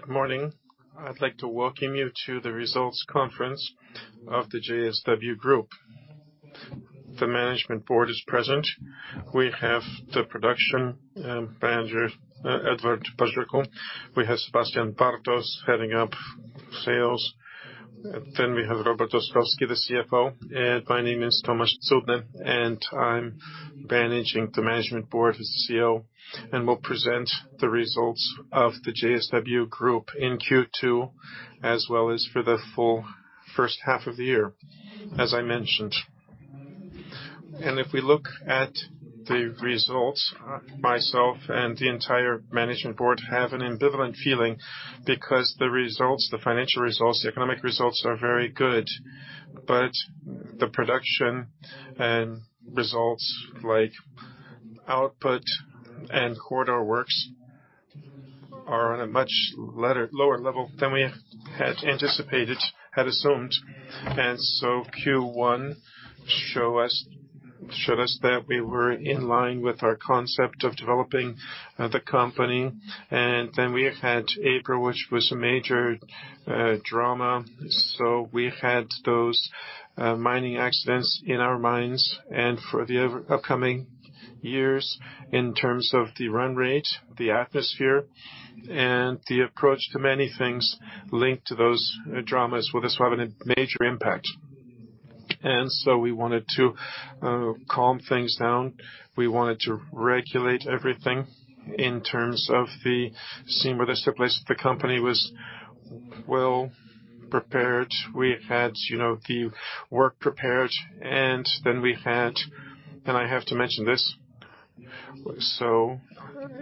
Good morning. I'd like to welcome you to the results conference of the JSW Group. The management board is present. We have the production manager, Edward Paździorko. We have Sebastian Bartos heading up sales. We have Robert Ostrowski, the CFO. My name is Tomasz Cudny, and I'm managing the management board as the CEO, and will present the results of the JSW Group in Q2, as well as for the full first half of the year, as I mentioned. If we look at the results, myself and the entire management board have an ambivalent feeling because the results, the financial results, the economic results are very good, but the production and results like output and corridor works are on a much lower level than we had anticipated, had assumed. Q1 showed us that we were in line with our concept of developing the company. Then we had April, which was a major drama. We had those mining accidents in our mines. For the upcoming years, in terms of the run rate, the atmosphere, and the approach to many things linked to those dramas will just have a major impact. We wanted to calm things down. We wanted to regulate everything in terms of the scene where they took place. The company was well prepared. We had, you know, the work prepared, and I have to mention this.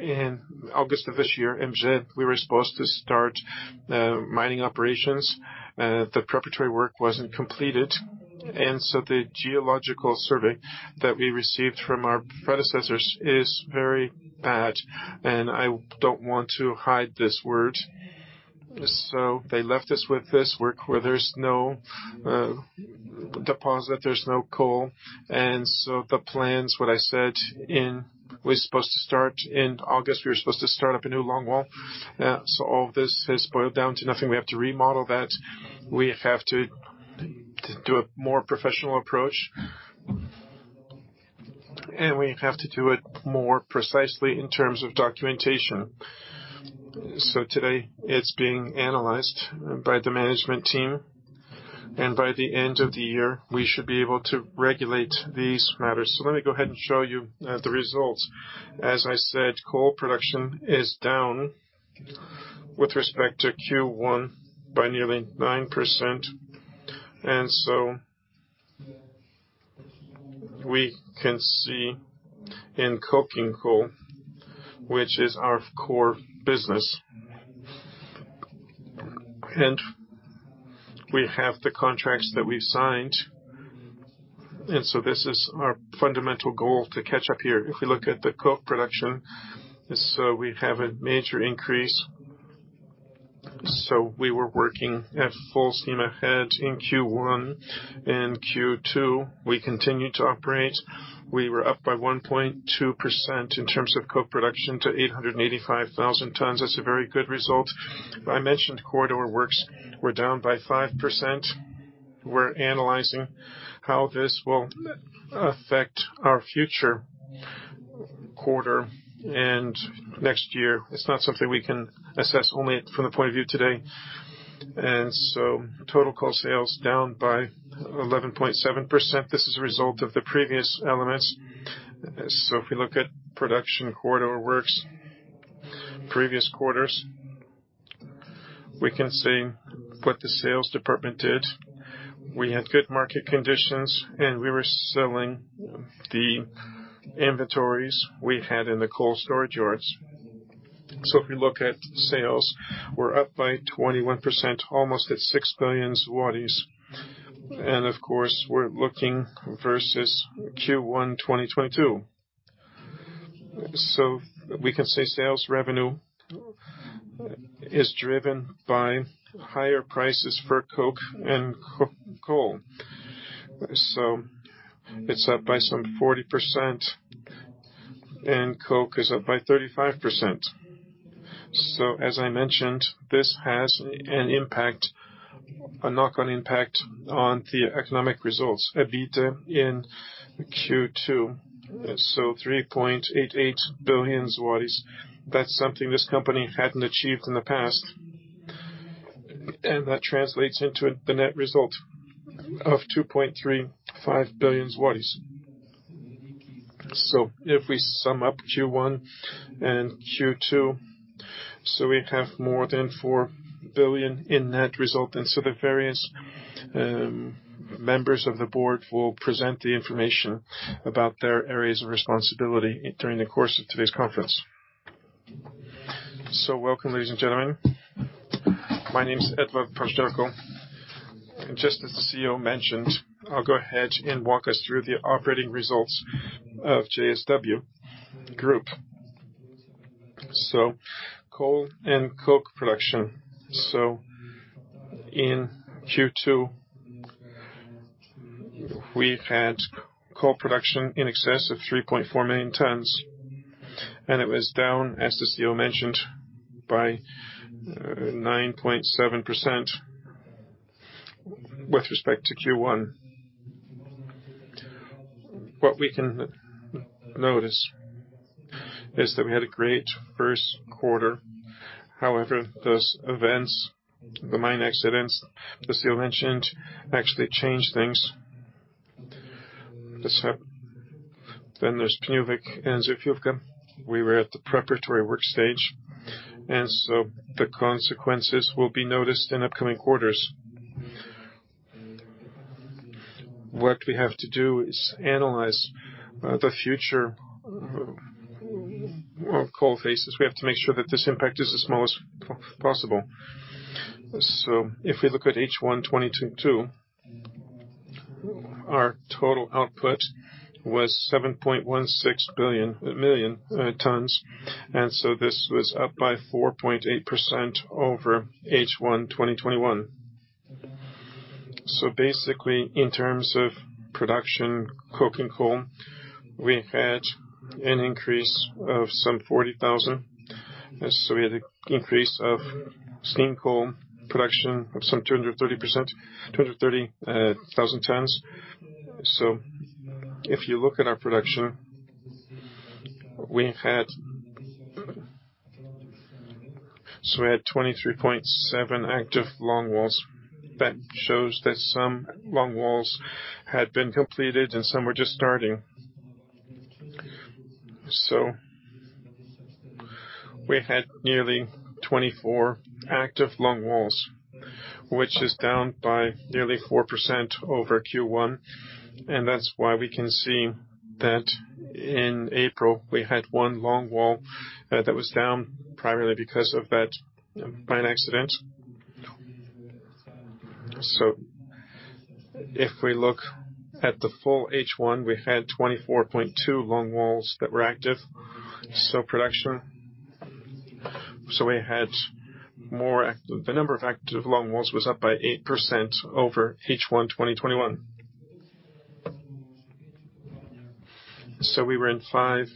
In August of this year, in June, we were supposed to start mining operations. The preparatory work wasn't completed. The geological survey that we received from our predecessors is very bad, and I don't want to hide this word. They left us with this work where there's no deposit, there's no coal. The plans, we're supposed to start in August, we were supposed to start up a new longwall. All this has boiled down to nothing. We have to remodel that. We have to do a more professional approach. We have to do it more precisely in terms of documentation. Today, it's being analyzed by the management team, and by the end of the year, we should be able to regulate these matters. Let me go ahead and show you the results. As I said, coal production is down with respect to Q1 by nearly 9%. We can see in coking coal, which is our core business. We have the contracts that we've signed. This is our fundamental goal to catch up here. If we look at the coke production, we have a major increase. We were working at full steam ahead in Q1. In Q2, we continued to operate. We were up by 1.2% in terms of coke production to 885,000 tons. That's a very good result. I mentioned corridor works were down by 5%. We're analyzing how this will affect our future quarter and next year. It's not something we can assess only from the point of view today. Total coal sales down by 11.7%. This is a result of the previous elements. If we look at production corridor works, previous quarters, we can see what the sales department did. We had good market conditions, and we were selling the inventories we had in the coal storage yards. If we look at sales, we're up by 21%, almost at 6 billion zlotys. Of course, we're looking versus Q1 2022. We can say sales revenue is driven by higher prices for coke and coal. It's up by some 40% and coke is up by 35%. As I mentioned, this has an impact, a knock-on impact on the economic results, EBITDA in Q2. 3.88 billion zlotys. That's something this company hadn't achieved in the past. That translates into the net result of 2.35 billion. If we sum up Q1 and Q2, we have more than 4 billion in net result. The various members of the board will present the information about their areas of responsibility during the course of today's conference. Welcome, ladies and gentlemen. My name is Edward Paździorko. Just as the CEO mentioned, I'll go ahead and walk us through the operating results of JSW Group. Coal and coke production. In Q2, we've had coal production in excess of 3.4 million tons, and it was down, as the CEO mentioned, by 9.7% with respect to Q1. What we can notice is that we had a great first quarter. However, those events, the mine accidents, the CEO mentioned, actually changed things. Then there's Pniówek and Zofiówka. We were at the preparatory work stage, and the consequences will be noticed in upcoming quarters. What we have to do is analyze the future of coal faces. We have to make sure that this impact is as small as possible. If we look at H1 2022, our total output was 7.16 million tons. This was up by 4.8% over H1 2021. Basically, in terms of production, coking coal, we had an increase of some 40,000. We had an increase of steam coal production of some 230,000 tons. If you look at our production, we had 23.7 active longwalls. That shows that some longwalls had been completed and some were just starting. We had nearly 24 active longwalls, which is down by nearly 4% over Q1. That's why we can see that in April, we had one longwall that was down primarily because of that mine accident. If we look at the full H1, we had 24.2 longwalls that were active. Production. The number of active longwalls was up by 8% over H1 2021. We were in five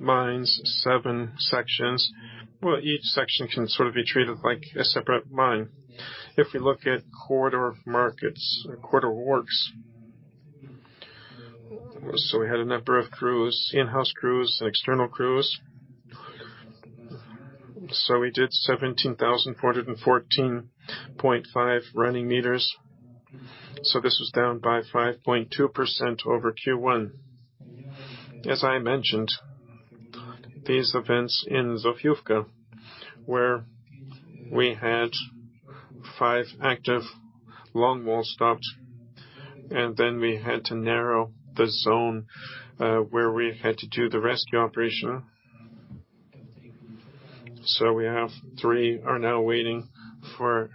mines, seven sections. Each section can sort of be treated like a separate mine. If we look at corridor works. We had a number of crews, in-house crews and external crews. We did 17,414.5 running meters. This was down by 5.2% over Q1. As I mentioned, these events in Zofiówka, where we had five active longwall stops, and then we had to narrow the zone, where we had to do the rescue operation. We have three are now waiting for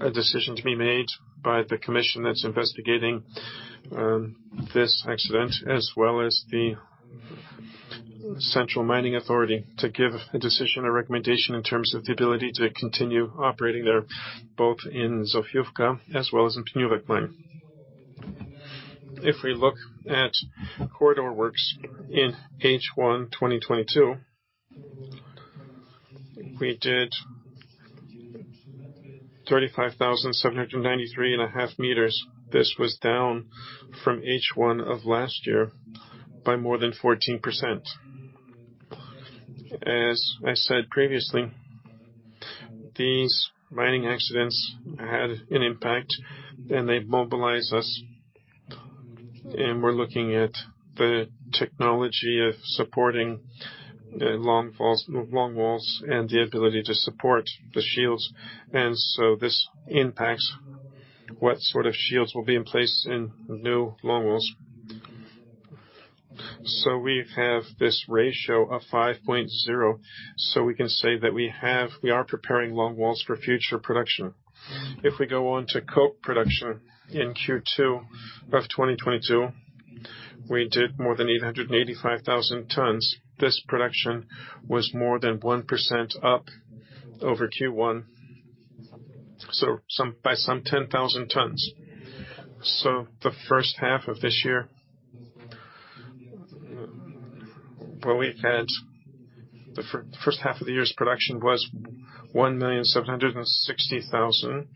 a decision to be made by the commission that's investigating this accident, as well as the State Mining Authority, to give a decision or recommendation in terms of the ability to continue operating there, both in Zofiówka as well as in Pniówek mine. If we look at corridor works in H1 2022, we did 35,793.5 meters. This was down from H1 of last year by more than 14%. As I said previously, these mining accidents had an impact, and they mobilized us, and we're looking at the technology of supporting the longwalls and the ability to support the shields. This impacts what sort of shields will be in place in new longwalls. We have this ratio of 5.0. We can say that we are preparing longwalls for future production. If we go on to coke production in Q2 of 2022, we did more than 885,000 tons. This production was more than 1% up over Q1. By some 10,000 tons. The first half of the year's production was 1,760,000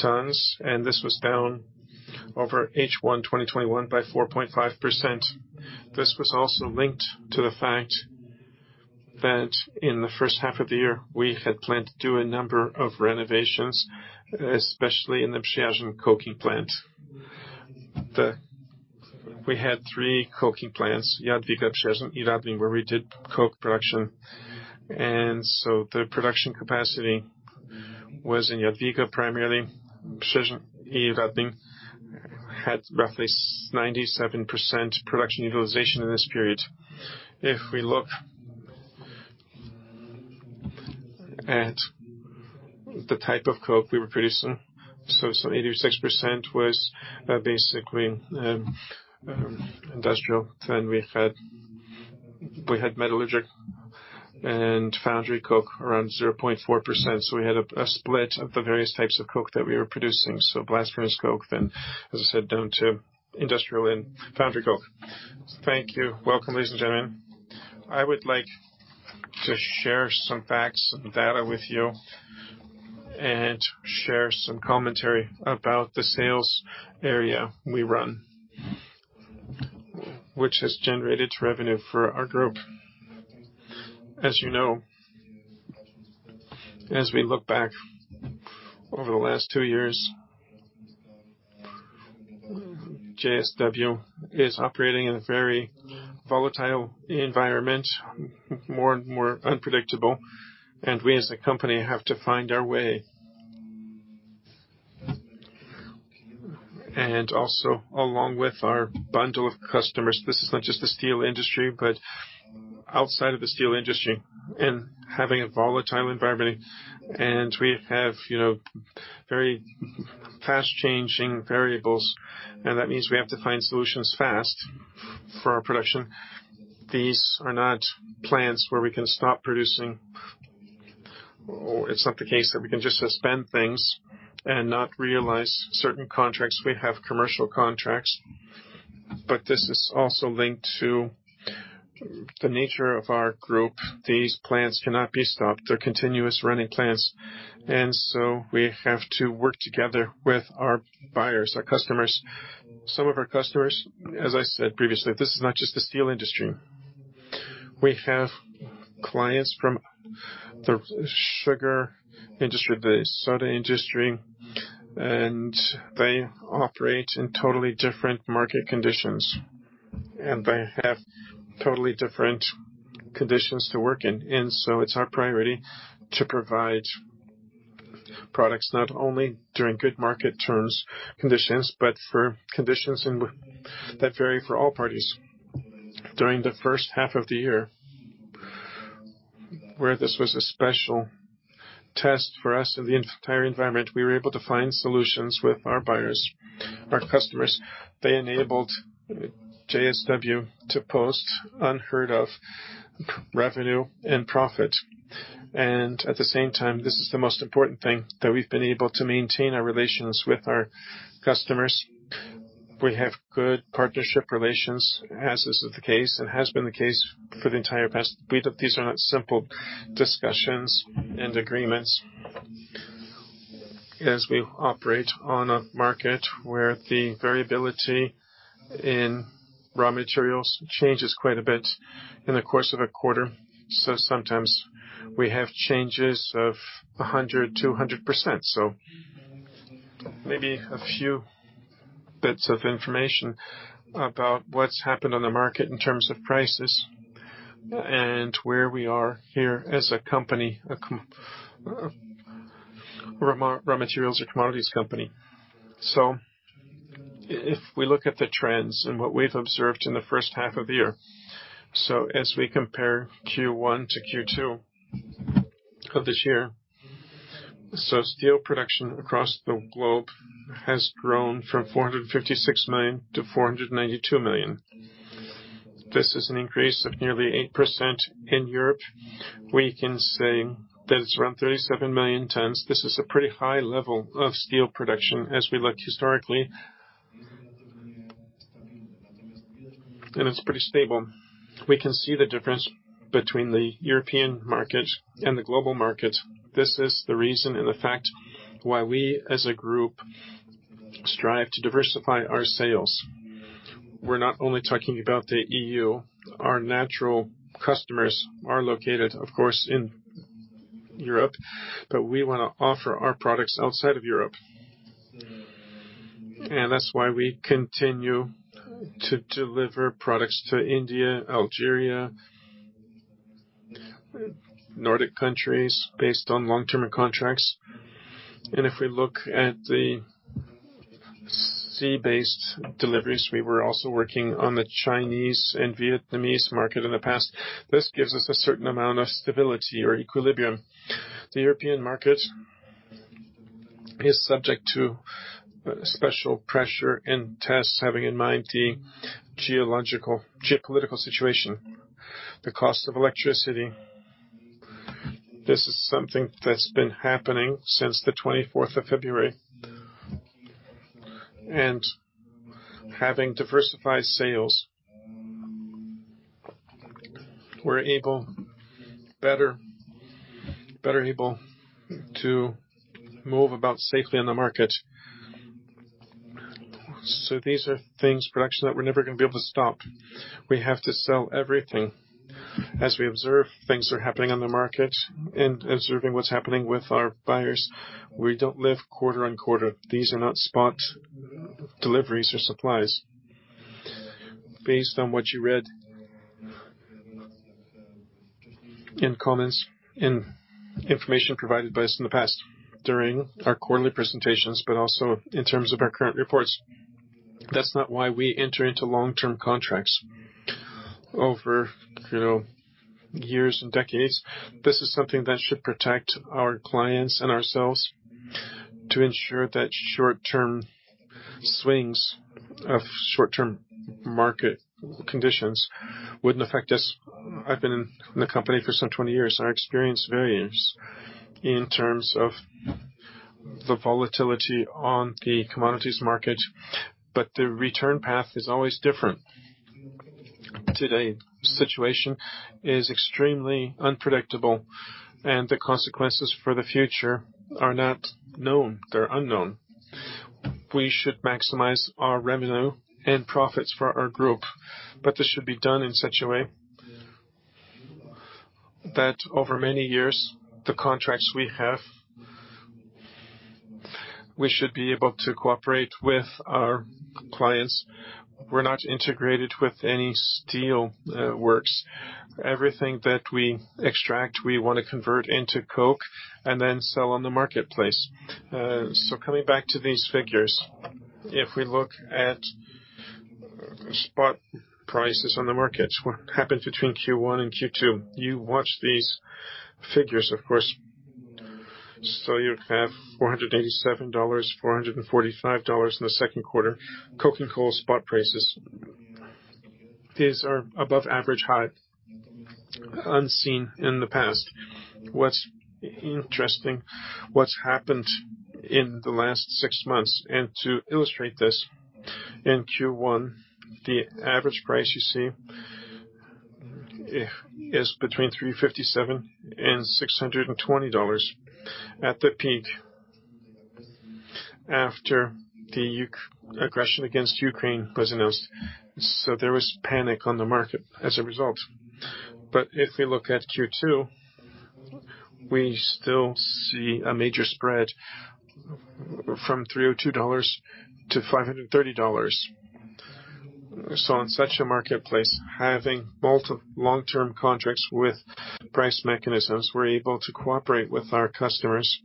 tons, and this was down over H1 2021 by 4.5%. This was also linked to the fact that in the first half of the year, we had planned to do a number of renovations, especially in the Przyjaźń Coking Plant. We had three coking plants, Jadwiga, Przyjaźń, and Radlin, where we did coke production. The production capacity was in Jadwiga, primarily. Przyjaźń, and Radlin had roughly 97% production utilization in this period. If we look at the type of coke we were producing, 86% was basically industrial. Then we had metallurgic and foundry coke around 0.4%. We had a split of the various types of coke that we were producing. Blast furnace coke, then, as I said, down to industrial and foundry coke. Thank you. Welcome, ladies and gentlemen. I would like to share some facts and data with you and share some commentary about the sales area we run, which has generated revenue for our group. As you know, as we look back over the last two years, JSW is operating in a very volatile environment, more and more unpredictable, and we as a company have to find our way. Also along with our bundle of customers, this is not just the steel industry, but outside of the steel industry and having a volatile environment. We have, you know, very fast changing variables, and that means we have to find solutions fast for our production. These are not plants where we can stop producing or it's not the case that we can just suspend things and not realize certain contracts. We have commercial contracts. This is also linked to the nature of our group. These plants cannot be stopped. They're continuous running plants. We have to work together with our buyers, our customers. Some of our customers, as I said previously, this is not just the steel industry. We have clients from the sugar industry, the soda industry, and they operate in totally different market conditions, and they have totally different conditions to work in. It's our priority to provide products not only during good market terms, conditions, but for conditions that vary for all parties. During the first half of the year where this was a special test for us in the entire environment, we were able to find solutions with our buyers, our customers. They enabled JSW to post unheard of revenue and profit. At the same time, this is the most important thing that we've been able to maintain our relations with our customers. We have good partnership relations, as is the case and has been the case for the entire past. These are not simple discussions and agreements as we operate on a market where the variability in raw materials changes quite a bit in the course of a quarter. Sometimes we have changes of 100, 200%. Maybe a few bits of information about what's happened on the market in terms of prices and where we are here as a company, raw materials or commodities company. If we look at the trends and what we've observed in the first half of the year. As we compare Q1 to Q2 of this year. Steel production across the globe has grown from 456 million to 492 million. This is an increase of nearly 8% in Europe. We can say that it's around 37 million tons. This is a pretty high level of steel production as we look historically. It's pretty stable. We can see the difference between the European market and the global market. This is the reason and the fact why we, as a group, strive to diversify our sales. We're not only talking about the EU. Our natural customers are located, of course, in Europe, but we wanna offer our products outside of Europe. That's why we continue to deliver products to India, Algeria, Nordic countries based on long-term contracts. If we look at the seaborne deliveries, we were also working on the Chinese and Vietnamese market in the past. This gives us a certain amount of stability or equilibrium. The European market is subject to special pressure and tests, having in mind the geopolitical situation, the cost of electricity. This is something that's been happening since the twenty-fourth of February. Having diversified sales, we're better able to move about safely in the market. These are things, production, that we're never gonna be able to stop. We have to sell everything. As we observe things are happening on the market and observing what's happening with our buyers, we don't live quarter to quarter. These are not spot deliveries or supplies. Based on what you read in comments and information provided by us in the past, during our quarterly presentations, but also in terms of our current reports, that's not why we enter into long-term contracts over, you know, years and decades. This is something that should protect our clients and ourselves. To ensure that short-term swings of short-term market conditions wouldn't affect us. I've been in the company for some 20 years. I experienced various in terms of the volatility on the commodities market, but the return path is always different. Today's situation is extremely unpredictable and the consequences for the future are not known. They're unknown. We should maximize our revenue and profits for our group, but this should be done in such a way that over many years, the contracts we have, we should be able to cooperate with our clients. We're not integrated with any steel works. Everything that we extract, we wanna convert into coke and then sell on the marketplace. Coming back to these figures, if we look at spot prices on the markets, what happened between Q1 and Q2, you watch these figures, of course. You have $487, $445 in the second quarter, coking coal spot prices. These are above average high, unseen in the past. What's interesting, what's happened in the last six months, and to illustrate this, in Q1, the average price you see is between $357-$620 at the peak after the Russian aggression against Ukraine was announced. There was panic on the market as a result. If we look at Q2, we still see a major spread from $302-$530. In such a marketplace, having long-term contracts with price mechanisms, we're able to cooperate with our customers.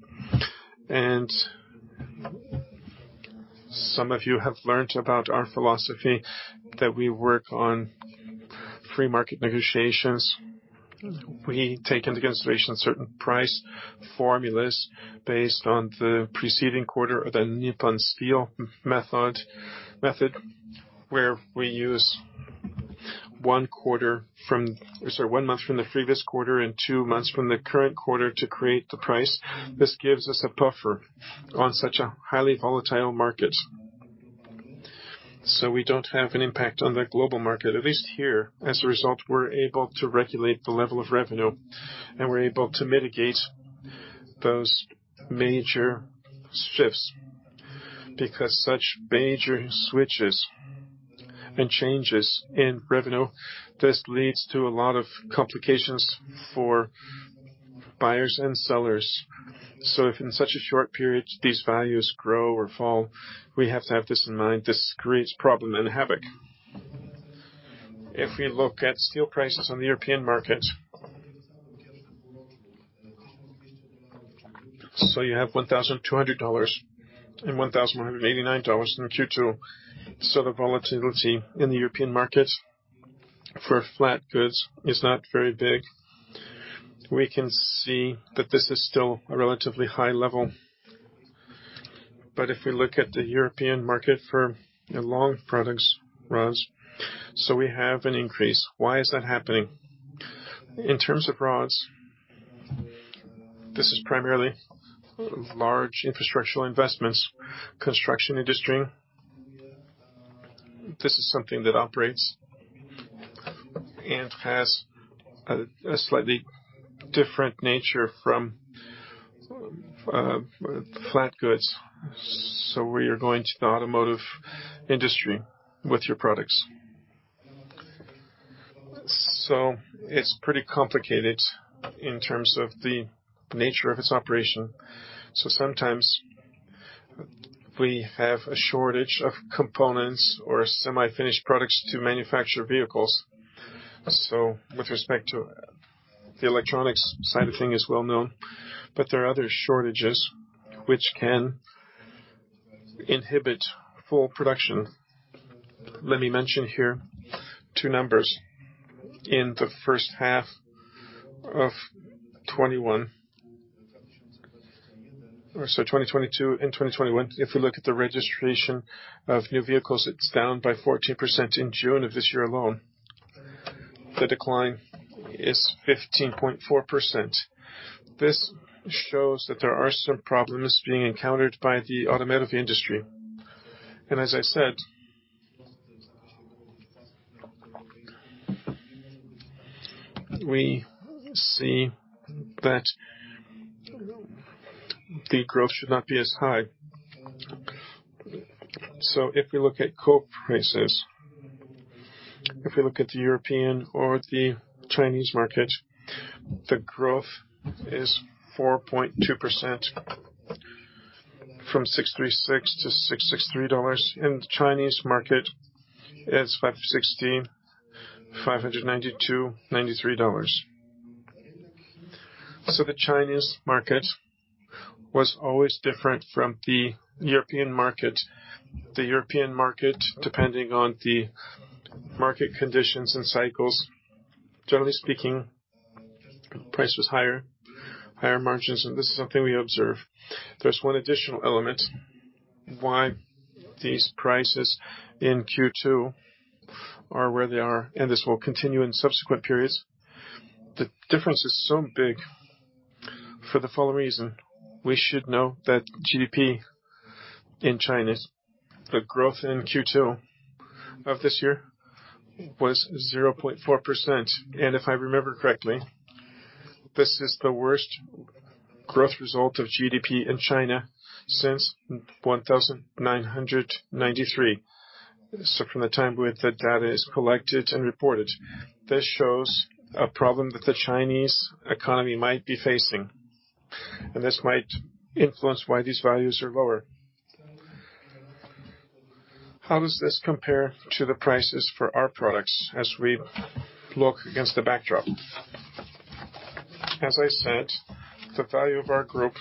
Some of you have learned about our philosophy that we work on free market negotiations. We take into consideration certain price formulas based on the preceding quarter of the Nippon Steel method, where we use one month from the previous quarter and two months from the current quarter to create the price. This gives us a buffer on such a highly volatile market. We don't have an impact on the global market, at least here. As a result, we're able to regulate the level of revenue, and we're able to mitigate those major shifts because such major switches and changes in revenue, this leads to a lot of complications for buyers and sellers. If in such a short period these values grow or fall, we have to have this in mind. This creates problem and havoc. If we look at steel prices on the European market, you have $1,200 and $1,189 in Q2. The volatility in the European market for flat goods is not very big. We can see that this is still a relatively high level. If we look at the European market for long products, rods, we have an increase. Why is that happening? In terms of rods, this is primarily large infrastructural investments, construction industry. This is something that operates and has a slightly different nature from flat goods. Where you're going to the automotive industry with your products. It's pretty complicated in terms of the nature of its operation. Sometimes we have a shortage of components or semi-finished products to manufacture vehicles. With respect to the electronics side of things is well known, but there are other shortages which can inhibit full production. Let me mention here two numbers. In the first half of 2021 or so 2022 and 2021, if we look at the registration of new vehicles, it's down by 14% in June of this year alone. The decline is 15.4%. This shows that there are some problems being encountered by the automotive industry. As I said, we see that the growth should not be as high. If we look at coal prices, if we look at the European or the Chinese market, the growth is 4.2% from $636-$663. In the Chinese market, it's $516, $592-$593. The Chinese market was always different from the European market. The European market, depending on the market conditions and cycles, generally speaking. The price was higher margins, and this is something we observe. There's one additional element why these prices in Q2 are where they are, and this will continue in subsequent periods. The difference is so big for the following reason. We should know that GDP in China, the growth in Q2 of this year was 0.4%. If I remember correctly, this is the worst growth result of GDP in China since 1993. From the time when the data is collected and reported. This shows a problem that the Chinese economy might be facing, and this might influence why these values are lower. How does this compare to the prices for our products as we look against the backdrop? As I said, the value of our group,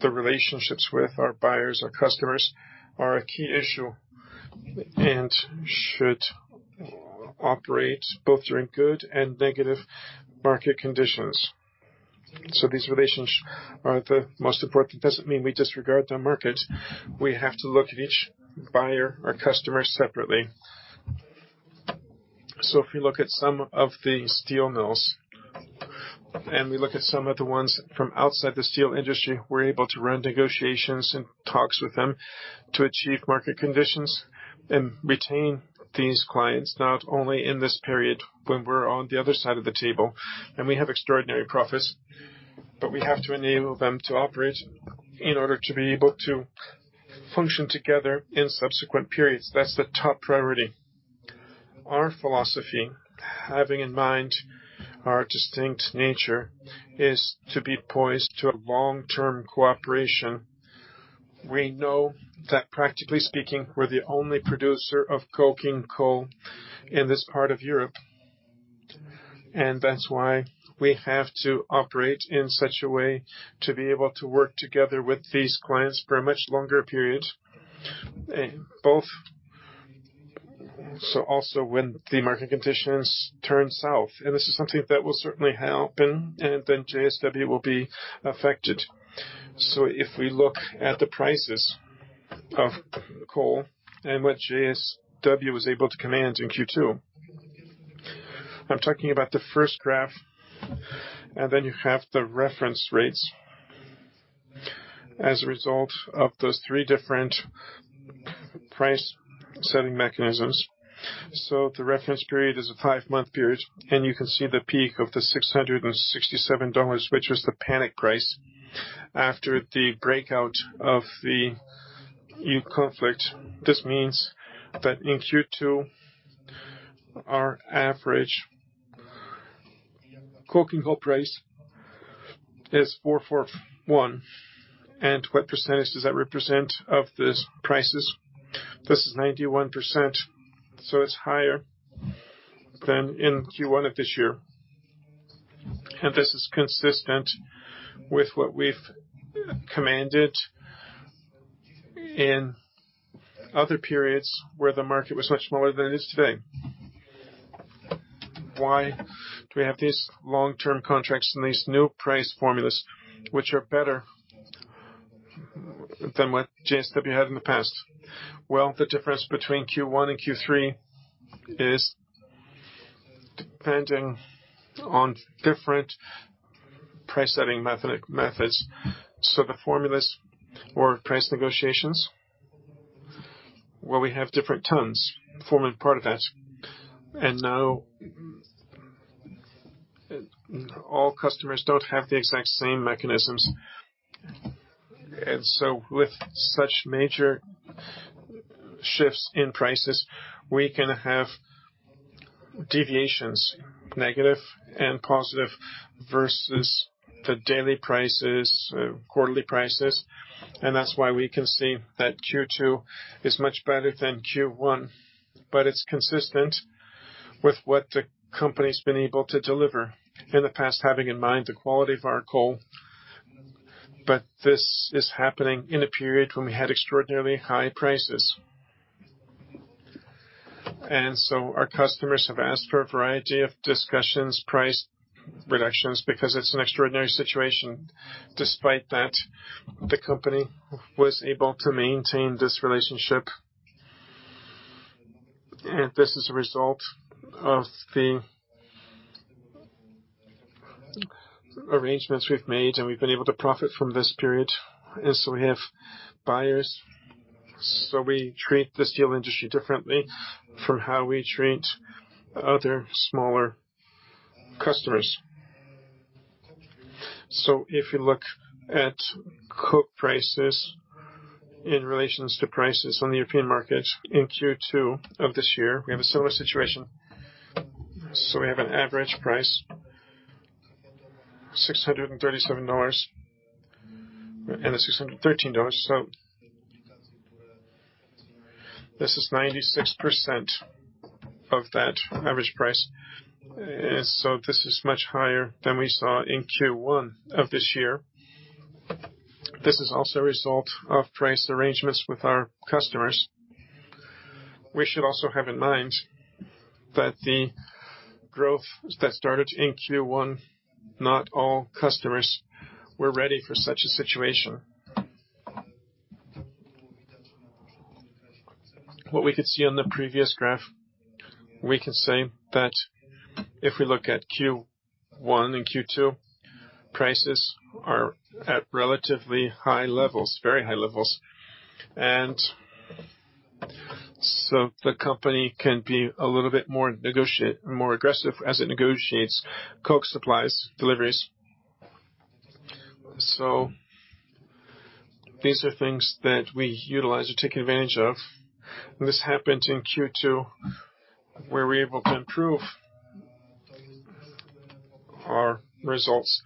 the relationships with our buyers, our customers, are a key issue and should operate both during good and negative market conditions. These relations are the most important. It doesn't mean we disregard the market. We have to look at each buyer or customer separately. If we look at some of the steel mills and we look at some of the ones from outside the steel industry, we're able to run negotiations and talks with them to achieve market conditions and retain these clients, not only in this period when we're on the other side of the table and we have extraordinary profits, but we have to enable them to operate in order to be able to function together in subsequent periods. That's the top priority. Our philosophy, having in mind our distinct nature, is to be poised to a long-term cooperation. We know that practically speaking, we're the only producer of coking coal in this part of Europe, and that's why we have to operate in such a way to be able to work together with these clients for a much longer period. Also when the market conditions turn south, and this is something that will certainly happen, and then JSW will be affected. If we look at the prices of coal and what JSW was able to command in Q2, I'm talking about the first graph, and then you have the reference rates as a result of those three different price setting mechanisms. The reference period is a five-month period, and you can see the peak of $667, which was the panic price after the breakout of the new conflict. This means that in Q2, our average coking coal price is $441. What percentage does that represent of these prices? This is 91%, so it's higher than in Q1 of this year. This is consistent with what we've accomplished in other periods where the market was much smaller than it is today. Why do we have these long-term contracts and these new price formulas, which are better than what JSW had in the past? Well, the difference between Q1 and Q3 is depending on different price setting methods. The formulas or price negotiations where we have different terms forming part of that. Now all customers don't have the exact same mechanisms. With such major shifts in prices, we can have deviations, negative and positive, versus the daily prices, quarterly prices. That's why we can see that Q2 is much better than Q1, but it's consistent with what the company's been able to deliver in the past, having in mind the quality of our coal. This is happening in a period when we had extraordinarily high prices. Our customers have asked for a variety of discussions, price reductions, because it's an extraordinary situation. Despite that, the company was able to maintain this relationship. This is a result of the arrangements we've made, and we've been able to profit from this period. We have buyers, so we treat the steel industry differently from how we treat other smaller customers. If you look at coke prices in relation to prices on the European market in Q2 of this year, we have a similar situation. We have an average price $637 and the $613. This is 96% of that average price. This is much higher than we saw in Q1 of this year. This is also a result of price arrangements with our customers. We should also have in mind that the growth that started in Q1, not all customers were ready for such a situation. What we could see on the previous graph, we can say that if we look at Q1 and Q2, prices are at relatively high levels, very high levels. The company can be a little bit more aggressive as it negotiates coke supplies deliveries. These are things that we utilize or take advantage of. This happened in Q2, where we were able to improve our results.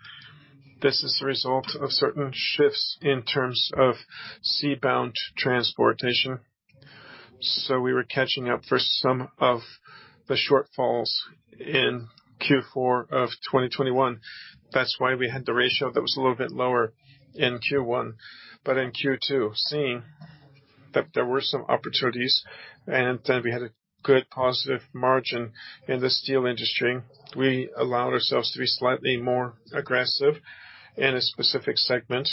This is the result of certain shifts in terms of seaborne transportation. We were catching up for some of the shortfalls in Q4 of 2021. That's why we had the ratio that was a little bit lower in Q1. In Q2, seeing that there were some opportunities, and then we had a good positive margin in the steel industry, we allowed ourselves to be slightly more aggressive in a specific segment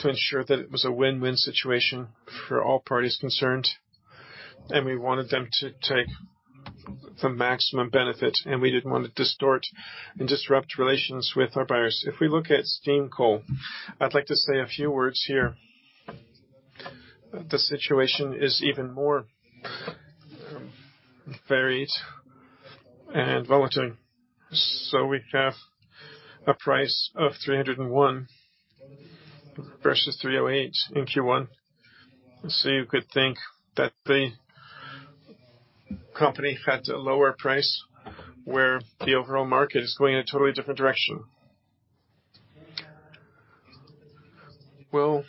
to ensure that it was a win-win situation for all parties concerned. We wanted them to take the maximum benefit, and we didn't want to distort and disrupt relations with our buyers. If we look at steam coal, I'd like to say a few words here. The situation is even more varied and volatile. We have a price of 301 versus 308 in Q1. You could think that the company had a lower price where the overall market is going in a totally different direction. Well,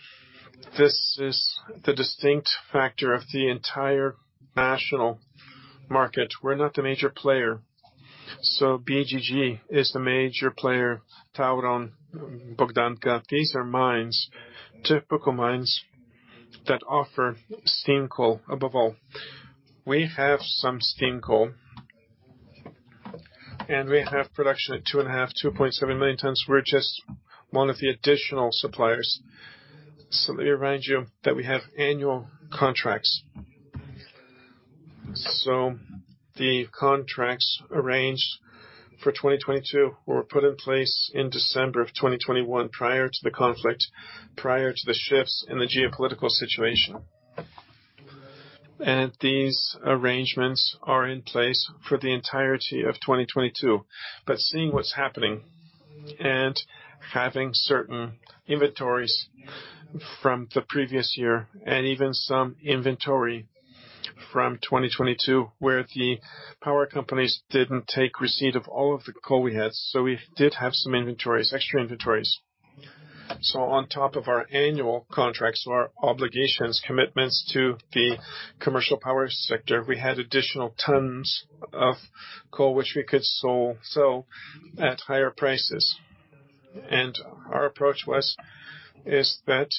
this is the distinct factor of the entire national market. We're not the major player. PGG is the major player, Tauron, Bogdanka. These are mines, typical mines that offer steam coal above all. We have some steam coal, and we have production at 2.5-2.7 million tons. We're just one of the additional suppliers. Let me remind you that we have annual contracts. The contracts arranged for 2022 were put in place in December of 2021, prior to the conflict, prior to the shifts in the geopolitical situation. These arrangements are in place for the entirety of 2022. Seeing what's happening and having certain inventories from the previous year and even some inventory from 2022, where the power companies didn't take receipt of all of the coal we had. We did have some inventories, extra inventories. On top of our annual contracts or our obligations, commitments to the commercial power sector, we had additional tons of coal which we could sell at higher prices. Our approach was, is that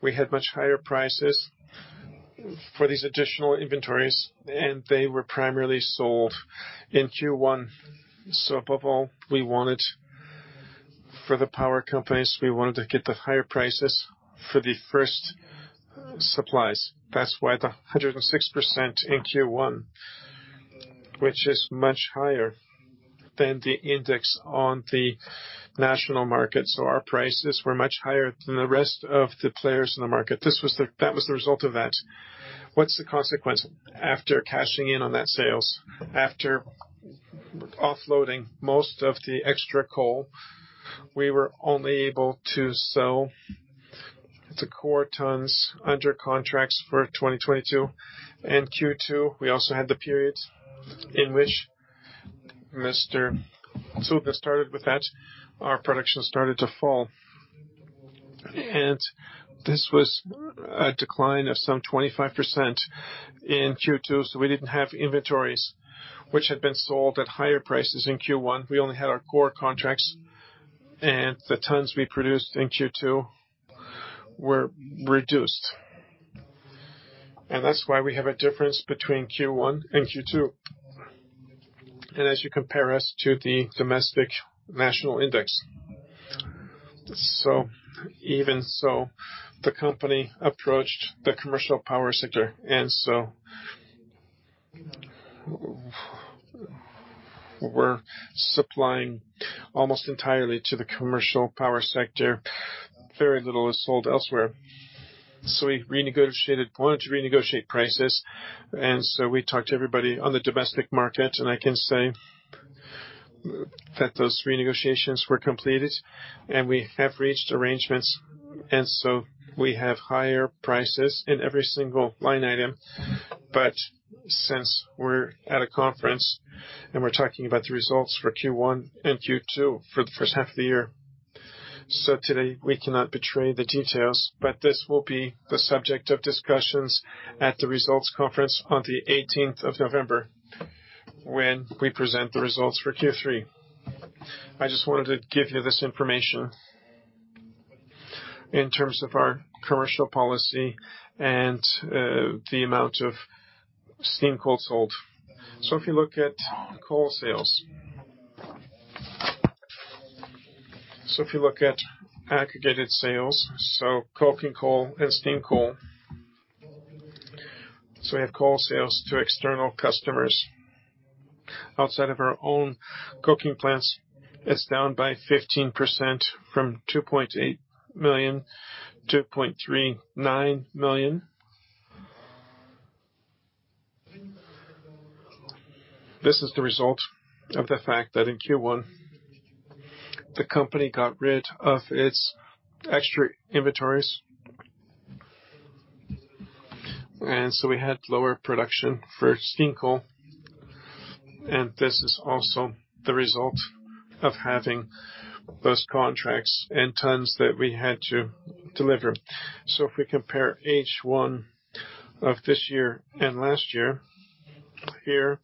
we had much higher prices for these additional inventories, and they were primarily sold in Q1. Above all, we wanted for the power companies, we wanted to get the higher prices for the first supplies. That's why the 106% in Q1, which is much higher than the index on the national market. Our prices were much higher than the rest of the players in the market. That was the result of that. What's the consequence? After cashing in on that sales, after offloading most of the extra coal, we were only able to sell the core tons under contracts for 2022. Q2, we also had the period in which Mr. Tomasz Cudny started with that, our production started to fall. This was a decline of some 25% in Q2, so we didn't have inventories which had been sold at higher prices in Q1. We only had our core contracts, and the tons we produced in Q2 were reduced. That's why we have a difference between Q1 and Q2. As you compare us to the domestic national index. Even so, the company approached the commercial power sector, and we're supplying almost entirely to the commercial power sector. Very little is sold elsewhere. We renegotiated, wanted to renegotiate prices, and we talked to everybody on the domestic market, and I can say that those renegotiations were completed, and we have reached arrangements, and we have higher prices in every single line item. Since we're at a conference and we're talking about the results for Q1 and Q2 for the first half of the year, today we cannot betray the details, but this will be the subject of discussions at the results conference on the eighteenth of November when we present the results for Q3. I just wanted to give you this information in terms of our commercial policy and the amount of steam coal sold. If you look at aggregated sales, coking coal and steam coal. We have coal sales to external customers outside of our own coking plants is down by 15% from 2.8 million to 0.39 million. This is the result of the fact that in Q1, the company got rid of its extra inventories. We had lower production for steam coal, and this is also the result of having those contracts and tons that we had to deliver. If we compare H1 of this year and last year, here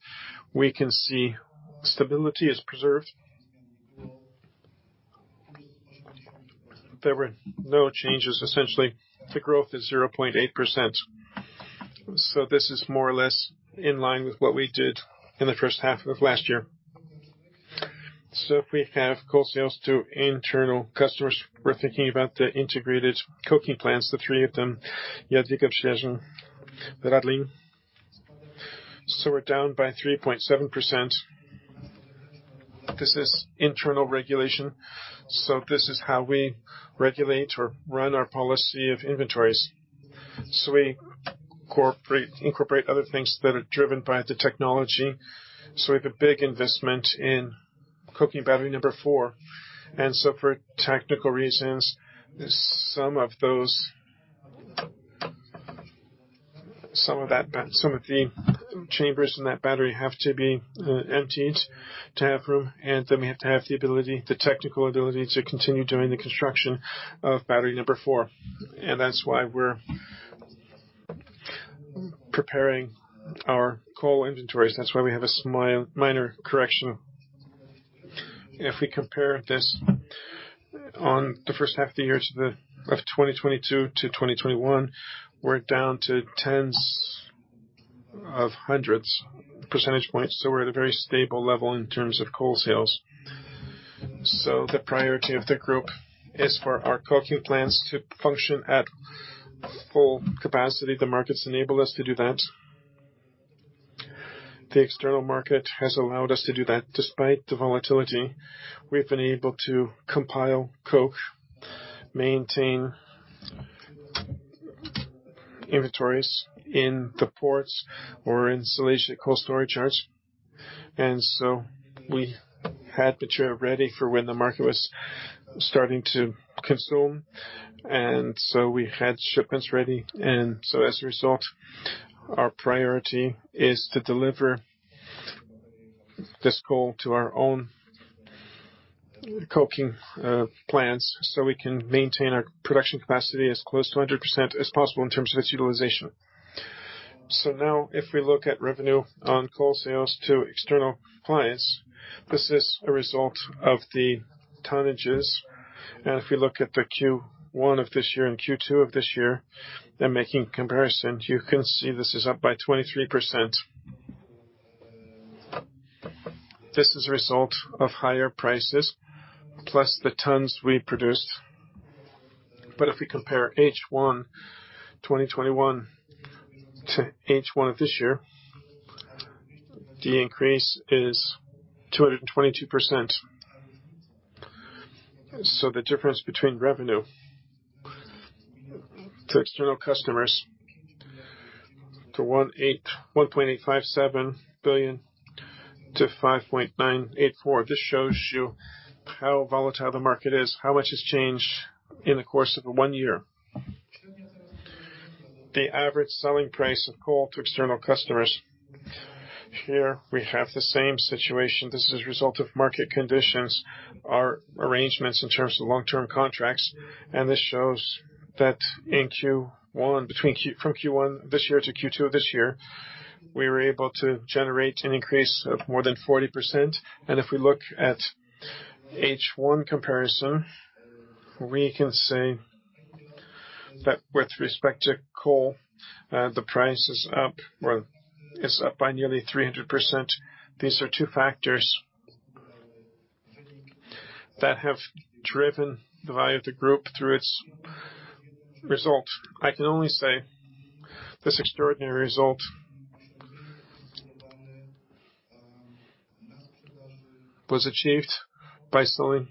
we can see stability is preserved. There were no changes essentially. The growth is 0.8%. This is more or less in line with what we did in the first half of last year. If we have coal sales to internal customers, we're thinking about the integrated coking plants, the three of them, Jadwiga, Przyjaźń, Radlin. We're down by 3.7%. This is internal regulation. This is how we regulate or run our policy of inventories. We incorporate other things that are driven by the technology. We have a big investment in coking battery number four. For technical reasons, some of the chambers in that battery have to be emptied to have room, and then we have to have the ability, the technical ability to continue doing the construction of battery number four. That's why we're preparing our coal inventories. That's why we have a slight minor correction. If we compare the first half of the year 2022 to 2021, we're down tens of percentage points. We're at a very stable level in terms of coal sales. The priority of the group is for our coking plants to function at full capacity. The markets enable us to do that. The external market has allowed us to do that. Despite the volatility, we've been able to produce coke, maintain inventories in the ports or in Silesia coal storage yards. We had material ready for when the market was starting to consume. We had shipments ready. As a result, our priority is to deliver this coal to our own coking plants, so we can maintain our production capacity as close to 100 as possible in terms of its utilization. Now if we look at revenue on coal sales to external clients, this is a result of the tonnages. If we look at the Q1 of this year and Q2 of this year, and making comparison, you can see this is up by 23%. This is a result of higher prices plus the tons we produced. If we compare H1 2021 to H1 of this year, the increase is 222%. The difference between revenue to external customers, 1.857 billion to 5.984 billion just shows you how volatile the market is, how much has changed in the course of one year. The average selling price of coal to external customers. Here we have the same situation. This is a result of market conditions, our arrangements in terms of long-term contracts. This shows that from Q1 this year to Q2 of this year, we were able to generate an increase of more than 40%. If we look at H1 comparison, we can say that with respect to coal, the price is up by nearly 300%. These are two factors that have driven the value of the group through its results. I can only say this extraordinary result was achieved by selling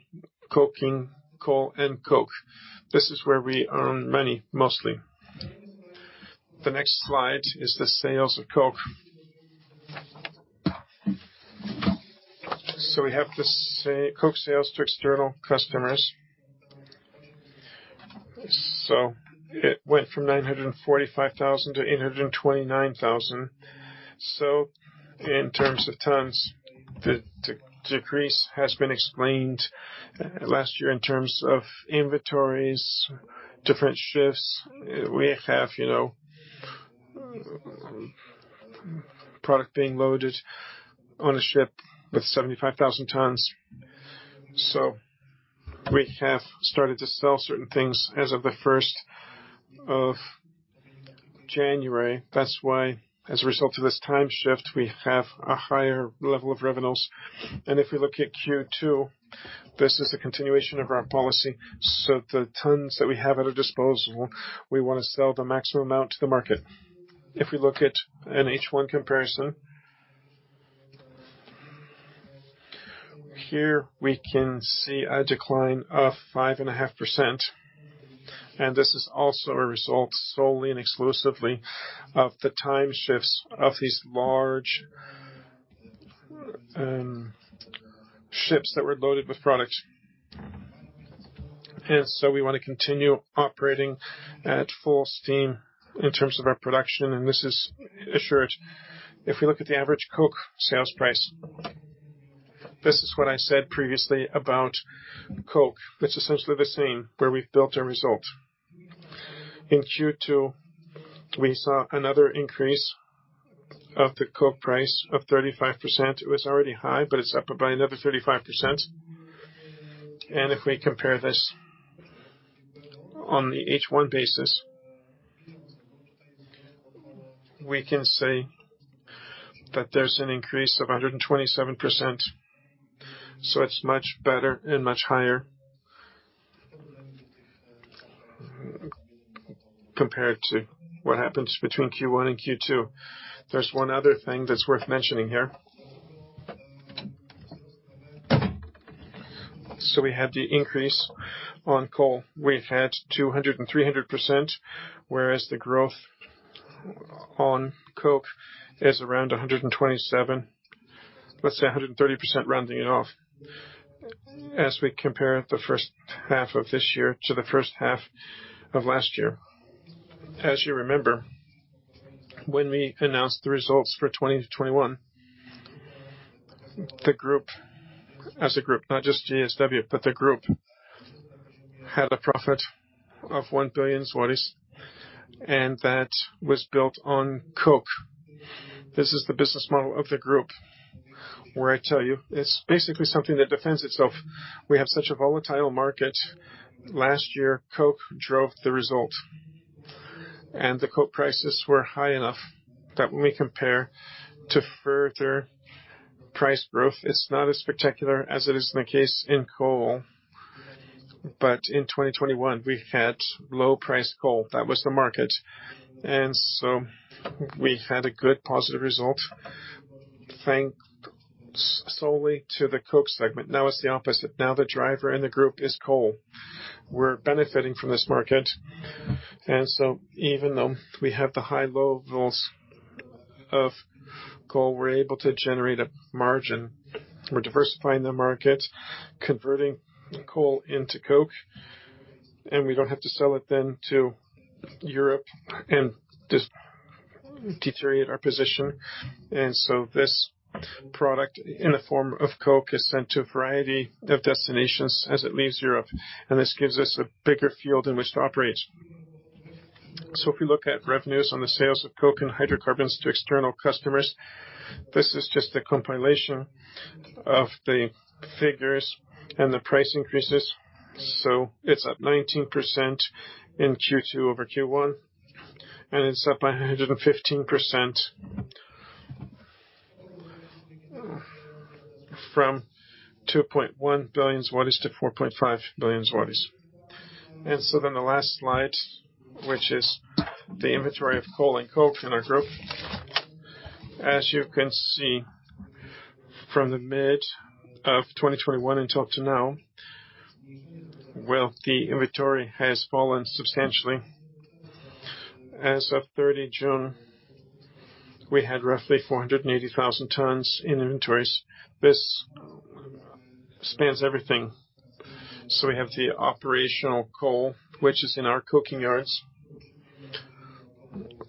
coking coal and coke. This is where we earn money mostly. The next slide is the sales of coke. We have the coke sales to external customers. It went from 945,000 to 829,000. In terms of tons, the decrease has been explained last year in terms of inventories, different shifts. We have, you know, product being loaded on a ship with 75,000 tons. We have started to sell certain things as of the first of January. That's why as a result of this time shift, we have a higher level of revenues. If we look at Q2, this is a continuation of our policy. The tons that we have at our disposal, we wanna sell the maximum amount to the market. If we look at an H1 comparison. Here, we can see a decline of 5.5%, and this is also a result solely and exclusively of the time shifts of these large ships that were loaded with products. We wanna continue operating at full steam in terms of our production, and this is assured. If we look at the average coke sales price, this is what I said previously about coke. It's essentially the same, where we've built a result. In Q2, we saw another increase of the coke price of 35%. It was already high, but it's up by another 35%. If we compare this on the H1 basis, we can say that there's an increase of 127%, so it's much better and much higher compared to what happens between Q1 and Q2. There's one other thing that's worth mentioning here. We have the increase on coal. We've had 200% and 300%, whereas the growth on coke is around 127%. Let's say 130% rounding it off. As we compare the first half of this year to the first half of last year. As you remember, when we announced the results for 2020 to 2021, the group as a group, not just JSW, but the group had a profit of 1 billion zlotys, and that was built on coke. This is the business model of the group, where I tell you, it's basically something that defends itself. We have such a volatile market. Last year, coke drove the result. The coke prices were high enough that when we compare to further price growth, it's not as spectacular as it is in the case of coal. In 2021, we had low-priced coal. That was the market. We had a good positive result, thanks solely to the coke segment. Now it's the opposite. Now the driver in the group is coal. We're benefiting from this market. Even though we have the high, low levels of coal, we're able to generate a margin. We're diversifying the market, converting coal into coke, and we don't have to sell it then to Europe and just deteriorate our position. This product in the form of coke is sent to a variety of destinations as it leaves Europe, and this gives us a bigger field in which to operate. If we look at revenues on the sales of coke and hydrocarbons to external customers, this is just a compilation of the figures and the price increases. It's up 19% in Q2 over Q1, and it's up by 115% from 2.1 billion zlotys to 4.5 billion zlotys. The last slide, which is the inventory of coal and coke in our group. As you can see from the mid of 2021 until now, well, the inventory has fallen substantially. As of 30 June, we had roughly 480,000 tons in inventories. This spans everything. We have the operational coal, which is in our coking yards,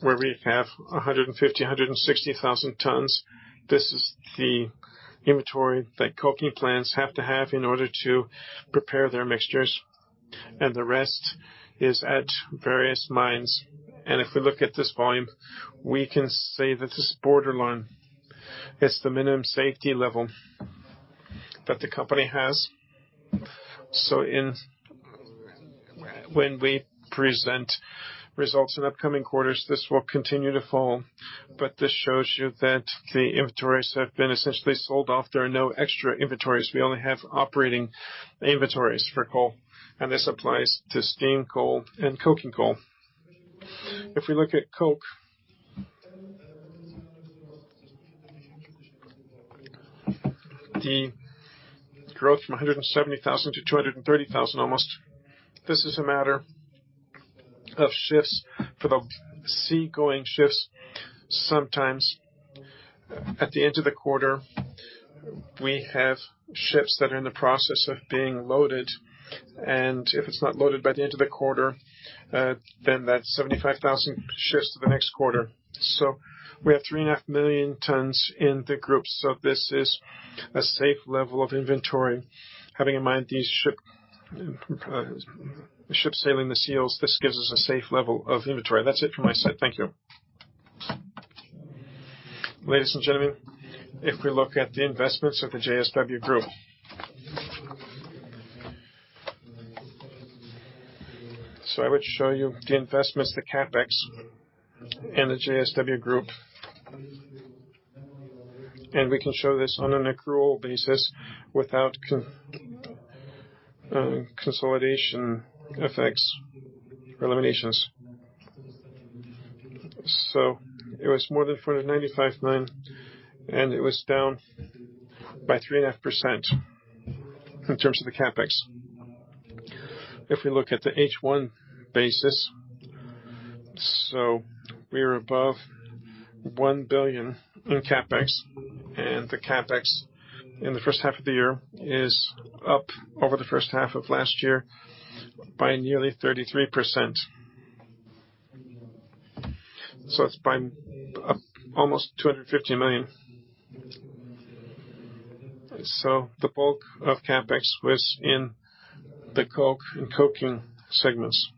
where we have 150,000-160,000 tons. This is the inventory that coking plants have to have in order to prepare their mixtures, and the rest is at various mines. If we look at this volume, we can say that it's borderline. It's the minimum safety level that the company has. When we present results in upcoming quarters, this will continue to fall, but this shows you that the inventories have been essentially sold off. There are no extra inventories. We only have operating inventories for coal, and this applies to steam coal and coking coal. If we look at coke. The growth from 170,000 to almost 230,000, this is a matter of shifts for the seagoing shifts. Sometimes at the end of the quarter, we have ships that are in the process of being loaded. If it's not loaded by the end of the quarter, then that 75,000 shifts to the next quarter. We have 3.5 million tons in the group. This is a safe level of inventory. Having in mind these ships sailing the seas, this gives us a safe level of inventory. That's it from my side. Thank you. Ladies and gentlemen, if we look at the investments of the JSW Group. I would show you the investments, the CapEx in the JSW Group. We can show this on an accrual basis without consolidation effects or eliminations. It was more than 495 million, and it was down by 3.5% in terms of the CapEx. If we look at the H1 basis, we are above 1 billion in CapEx, and the CapEx in the first half of the year is up over the first half of last year by nearly 33%. It's by almost 250 million. The bulk of CapEx was in the coke and coking segments.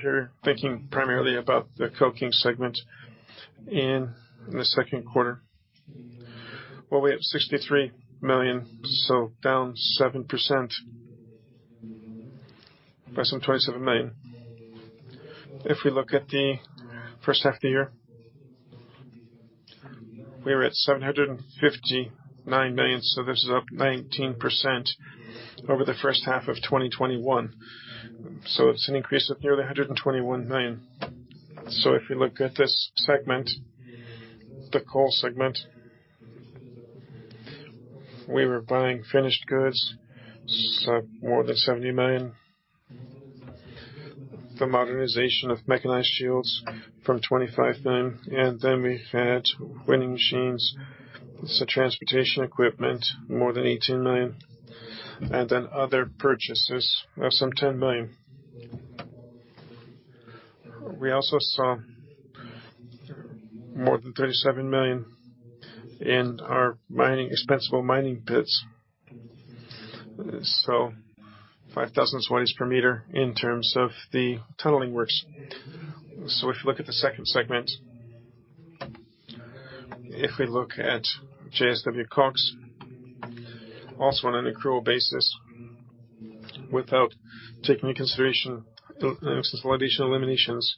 Here, thinking primarily about the coking segment in the second quarter, where we have 63 million, down 7% by some 27 million. If we look at the first half of the year, we're at 759 million, up 19% over the first half of 2021. It's an increase of nearly 121 million. If you look at this segment, the coal segment, we were buying finished goods, more than 70 million. The modernization of mechanized shields 25 million, and then we had winning machines, so transportation equipment, more than 18 million, and then other purchases of some 10 million. We also saw more than 37 million in our expendable mining roadways, so 5,000 per meter in terms of the tunneling works. If you look at the second segment, if we look at JSW Koks, also on an accrual basis, without taking into consideration the consolidation eliminations,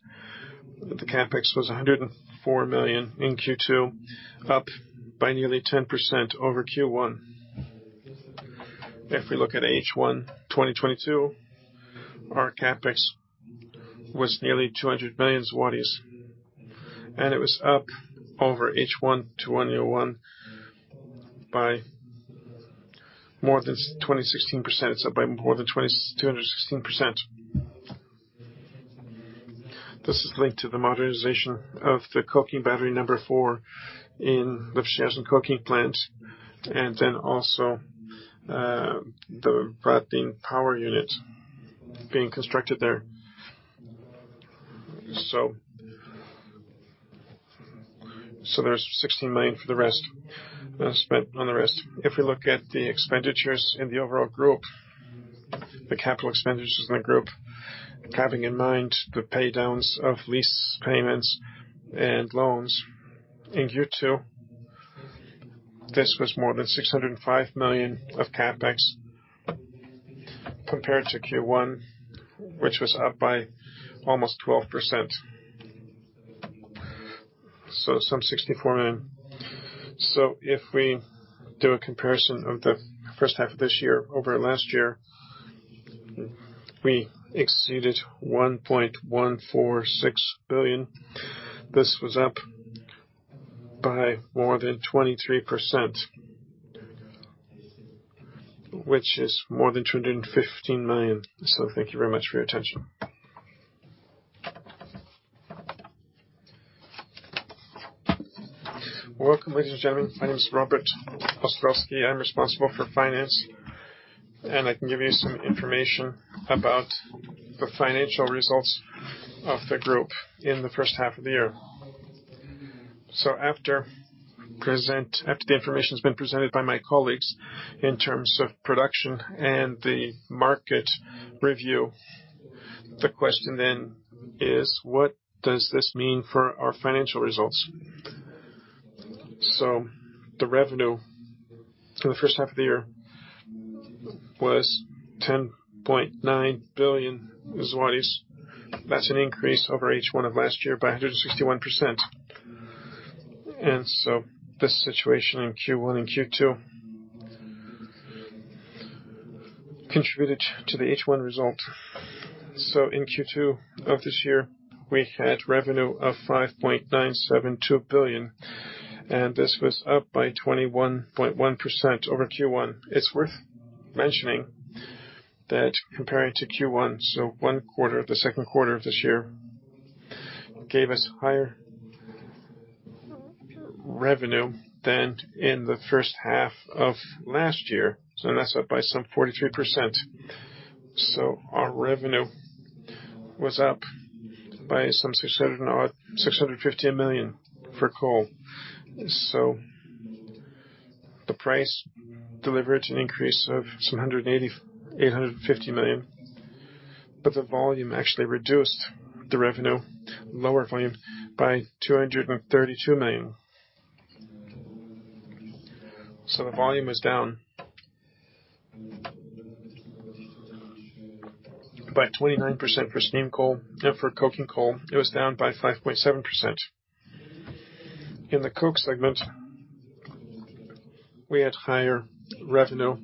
the CapEx was 104 million in Q2, up by nearly 10% over Q1. If we look at H1 2022, our CapEx was nearly 200 million zlotys, and it was up over H1 2021 by more than 26%. It's up by more than 22%. This is linked to the modernization of the coking battery number four in the Przyjaźń Coking Plant, and then also, the Heating power unit being constructed there. There's 16 million for the rest, spent on the rest. If we look at the expenditures in the overall group, the capital expenditures in the group, having in mind the pay downs of lease payments and loans. In Q2, this was more than 605 million of CapEx compared to Q1, which was up by almost 12%. Some 64 million. If we do a comparison of the first half of this year over last year, we exceeded 1.146 billion. This was up by more than 23%, which is more than 215 million. Thank you very much for your attention. Welcome, ladies and gentlemen. My name is Robert Ostrowski. I'm responsible for finance, and I can give you some information about the financial results of the group in the first half of the year. After the information has been presented by my colleagues in terms of production and the market review, the question then is, what does this mean for our financial results? The revenue for the first half of the year was 10.9 billion zlotys. That's an increase over H1 of last year by 161%. This situation in Q1 and Q2 contributed to the H1 result. In Q2 of this year, we had revenue of 5.972 billion, and this was up by 21.1% over Q1. It's worth mentioning that comparing to Q1, so one quarter, the second quarter of this year, gave us higher revenue than in the first half of last year, that's up by some 43%. Our revenue was up by some 615 million for coal. The price delivered an increase of some 850 million, but the volume actually reduced the revenue, lower volume, by PLN 232 million. The volume was down by 29% for steam coal, and for coking coal, it was down by 5.7%. In the coke segment, we had higher revenue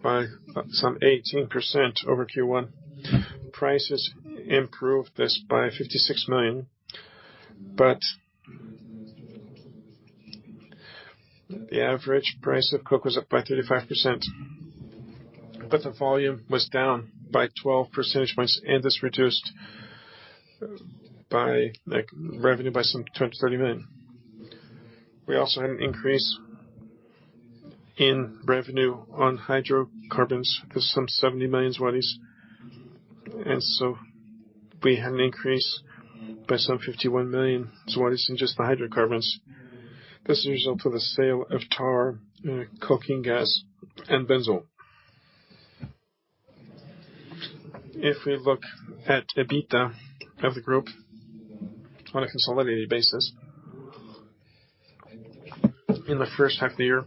by some 18% over Q1. Prices improved this by 56 million, but The average price of coke was up by 35%, but the volume was down by 12 percentage points, and this reduced by, like, revenue by some 20-30 million. We also had an increase in revenue on hydrocarbons of some 70 million zlotys. We had an increase by some 51 million zlotys in just the hydrocarbons. This is a result of the sale of tar, coking gas, and benzol. If we look at the EBITDA of the group on a consolidated basis. In the first half of the year,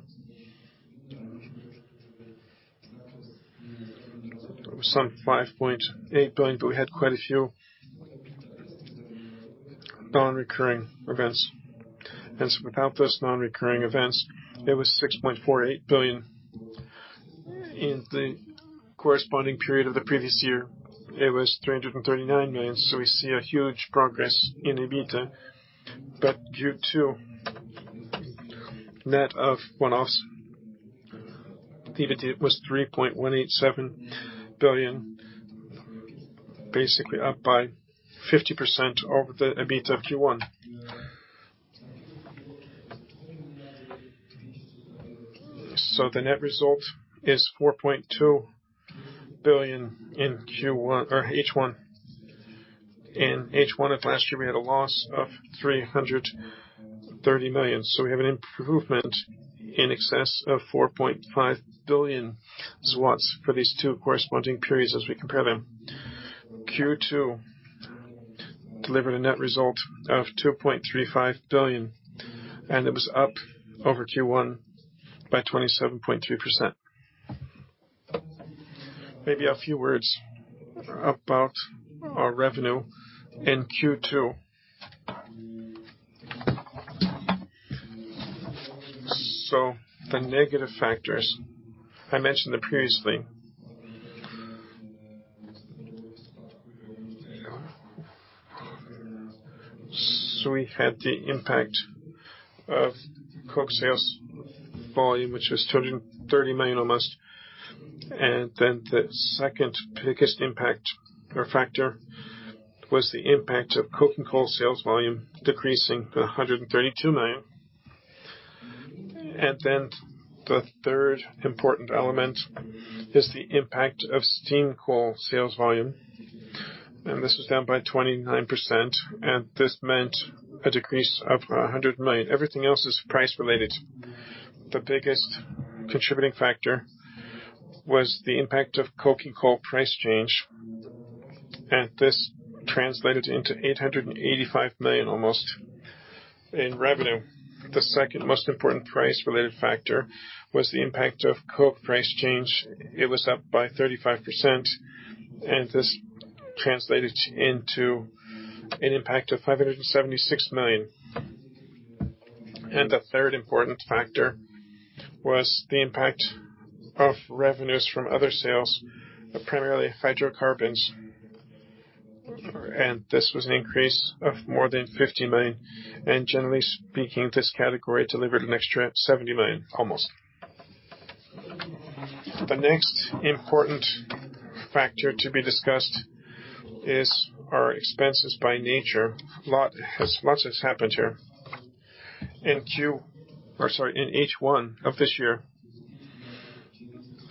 there was some 5.8 billion, but we had quite a few non-recurring events. Without those non-recurring events, it was 6.48 billion. In the corresponding period of the previous year, it was 339 million. We see a huge progress in EBITDA. Q2 net of one-offs, EBITDA was 3.187 billion, basically up by 50% over the Q1 EBITDA. The net result is 4.2 billion in Q1 or H1. In H1 of last year, we had a loss of 330 million. We have an improvement in excess of 4.5 billion for these two corresponding periods as we compare them. Q2 delivered a net result of 2.35 billion, and it was up over Q1 by 27.3%. Maybe a few words about our revenue in Q2. The negative factors, I mentioned them previously. We had the impact of coke sales volume, which was almost 230 million. The second biggest impact or factor was the impact of coke and coal sales volume decreasing 132 million. The third important element is the impact of steam coal sales volume, and this was down by 29%, and this meant a decrease of 100 million. Everything else is price related. The biggest contributing factor was the impact of coking coal price change, and this translated into almost 885 million in revenue. The second most important price-related factor was the impact of coke price change. It was up by 35%, and this translated into an impact of 576 million. The third important factor was the impact of revenues from other sales, primarily hydrocarbons. This was an increase of more than 50 million. Generally speaking, this category delivered an extra 70 million, almost. The next important factor to be discussed is our expenses by nature. A lot has happened here. In H1 of this year,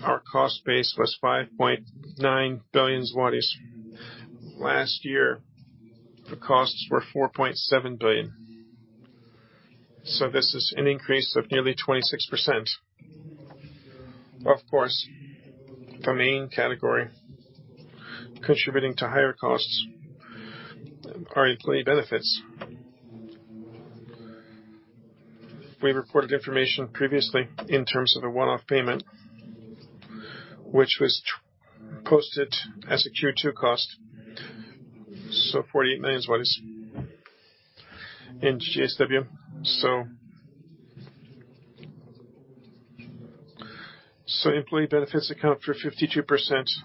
our cost base was 5.9 billion zlotys. Last year, the costs were 4.7 billion. This is an increase of nearly 26%. Of course, the main category contributing to higher costs are employee benefits. We reported information previously in terms of a one-off payment, which was posted as a Q2 cost. 48 million złotys in JSW. Employee benefits account for 52%.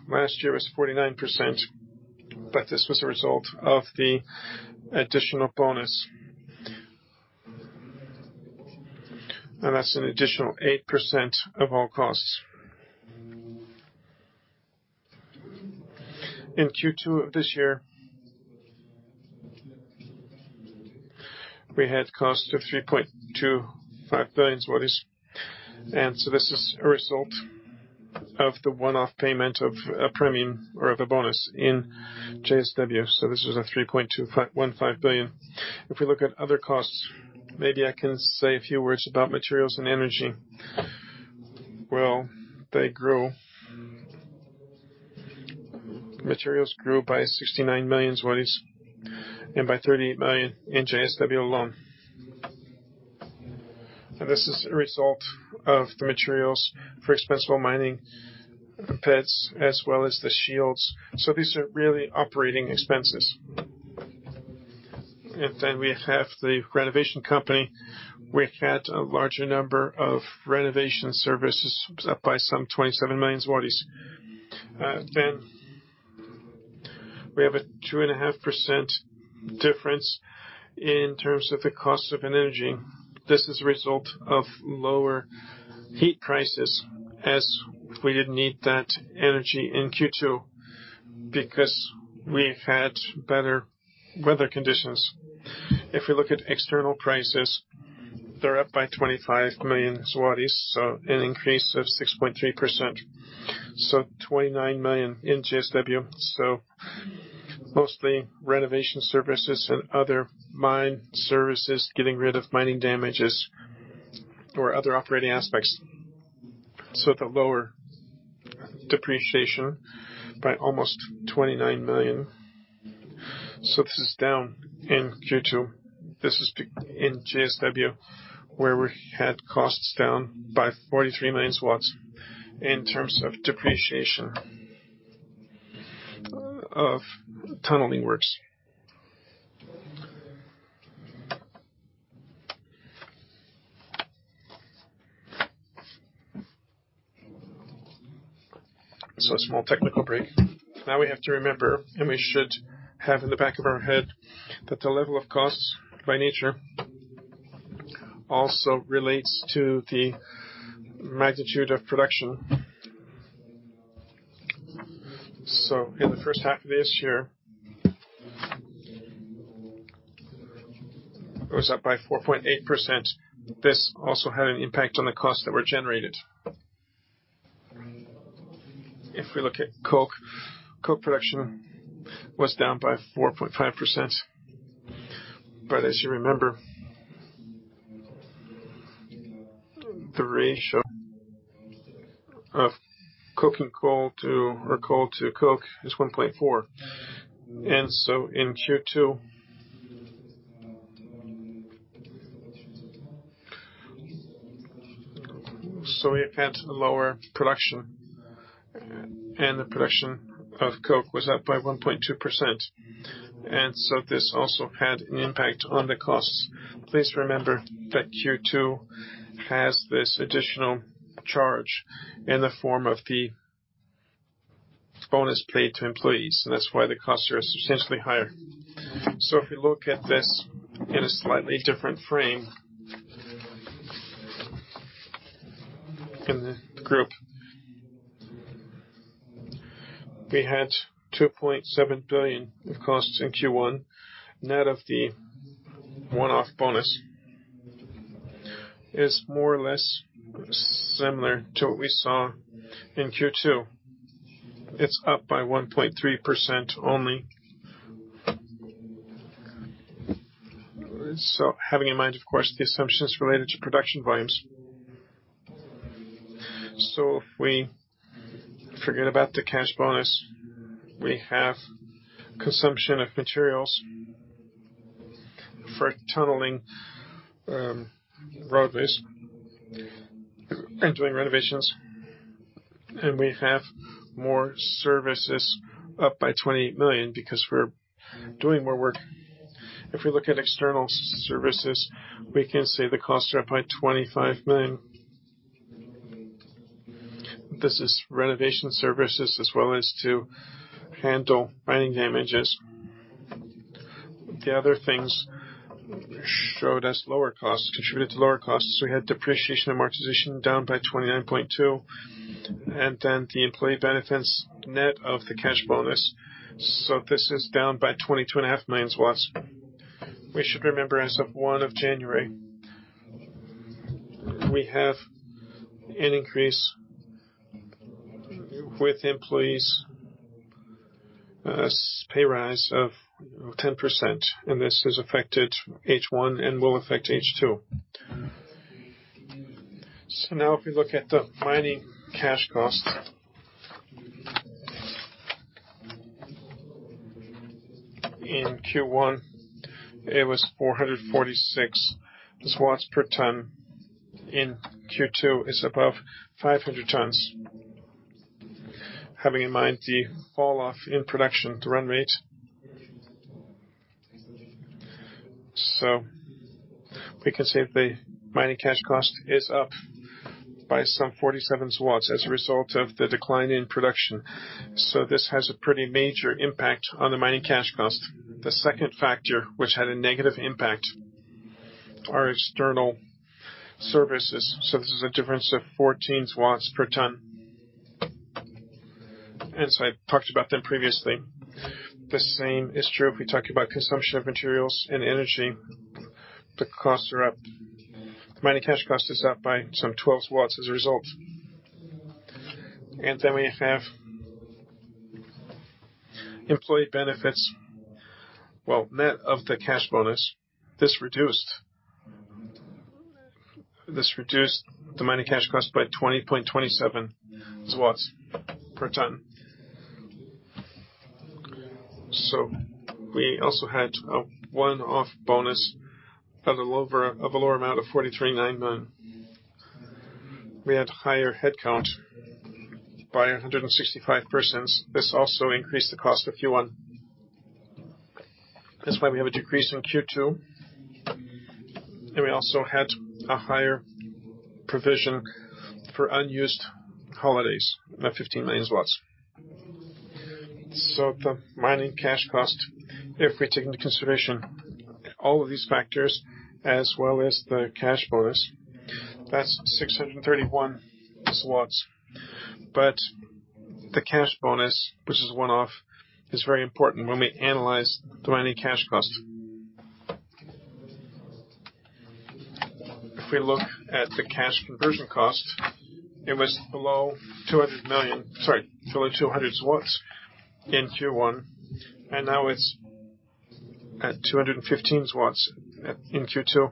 Last year was 49%, but this was a result of the additional bonus. That's an additional 8% of all costs. In Q2 of this year, we had costs of 3.25 billion zlotys. This is a result of the one-off payment of a premium or of a bonus in JSW. This is 3.215 billion. If we look at other costs, maybe I can say a few words about materials and energy. Well, they grew. Materials grew by 69 million zlotys and by 38 million in JSW alone. This is a result of the materials for expendable mining roadways as well as the shields. These are really operating expenses. We have the renovation company. We had a larger number of renovation services up by some 27 million. We have a 2.5% difference in terms of the cost of energy. This is a result of lower heat prices as we didn't need that energy in Q2 because we've had better weather conditions. If we look at external prices, they're up by 25 million zlotys, so an increase of 6.3%. Twenty-nine million in JSW. Mostly renovation services and other mine services, getting rid of mining damages or other operating aspects. The lower depreciation by almost 29 million. This is down in Q2. This is in JSW, where we had costs down by 43 million in terms of depreciation of tunneling works. A small technical break. Now we have to remember, and we should have in the back of our head, that the level of costs, by nature, also relates to the magnitude of production. In the first half of this year, it was up by 4.8%. This also had an impact on the costs that were generated. If we look at coke production was down by 4.5%. As you remember, the ratio of coking coal to, or coal to coke is 1.4. In Q2, we had lower production, and the production of coke was up by 1.2%. This also had an impact on the costs. Please remember that Q2 has this additional charge in the form of the bonus paid to employees, and that's why the costs are substantially higher. If we look at this in a slightly different frame, in the group, we had 2.7 billion of costs in Q1. Net of the one-off bonus is more or less similar to what we saw in Q2. It's up by 1.3% only. Having in mind, of course, the assumptions related to production volumes. If we forget about the cash bonus, we have consumption of materials for tunneling, roadways and doing renovations, and we have more services up by 20 million because we're doing more work. If we look at external services, we can say the costs are up by 25 million. This is renovation services as well as to handle mining damages. The other things shown as lower costs contributed to lower costs. We had depreciation and amortization down by 29.2, and then the employee benefits net of the cash bonus. This is down by 22.5 million zlotys. We should remember, as of 1 January, we have an increase with employees' pay rise of 10%, and this has affected H1 and will affect H2. Now if we look at the mining cash cost, in Q1, it was 446 per ton. In Q2, it's above 500 per ton. Having in mind the fall off in production, the run rate. We can say the mining cash cost is up by some 47 as a result of the decline in production. This has a pretty major impact on the mining cash cost. The second factor, which had a negative impact, are external services. This is a difference of 14 per ton. I talked about them previously. The same is true if we talk about consumption of materials and energy, the costs are up. Mining cash cost is up by some 12 as a result. Then we have employee benefits. Net of the cash bonus, this reduced the mining cash cost by 20.27 per ton. We also had a one-off bonus of a lower amount of 43.9 million. We had higher headcount by 165 persons. This also increased the cost of Q1. That's why we have a decrease in Q2. We also had a higher provision for unused holidays, 15 million zlotys. The mining cash cost, if we take into consideration all of these factors as well as the cash bonus, that's 631 zlotys. The cash bonus, which is one-off, is very important when we analyze the mining cash cost. If we look at the cash conversion cost, it was below 200 in Q1, and now it's at 215 in Q2.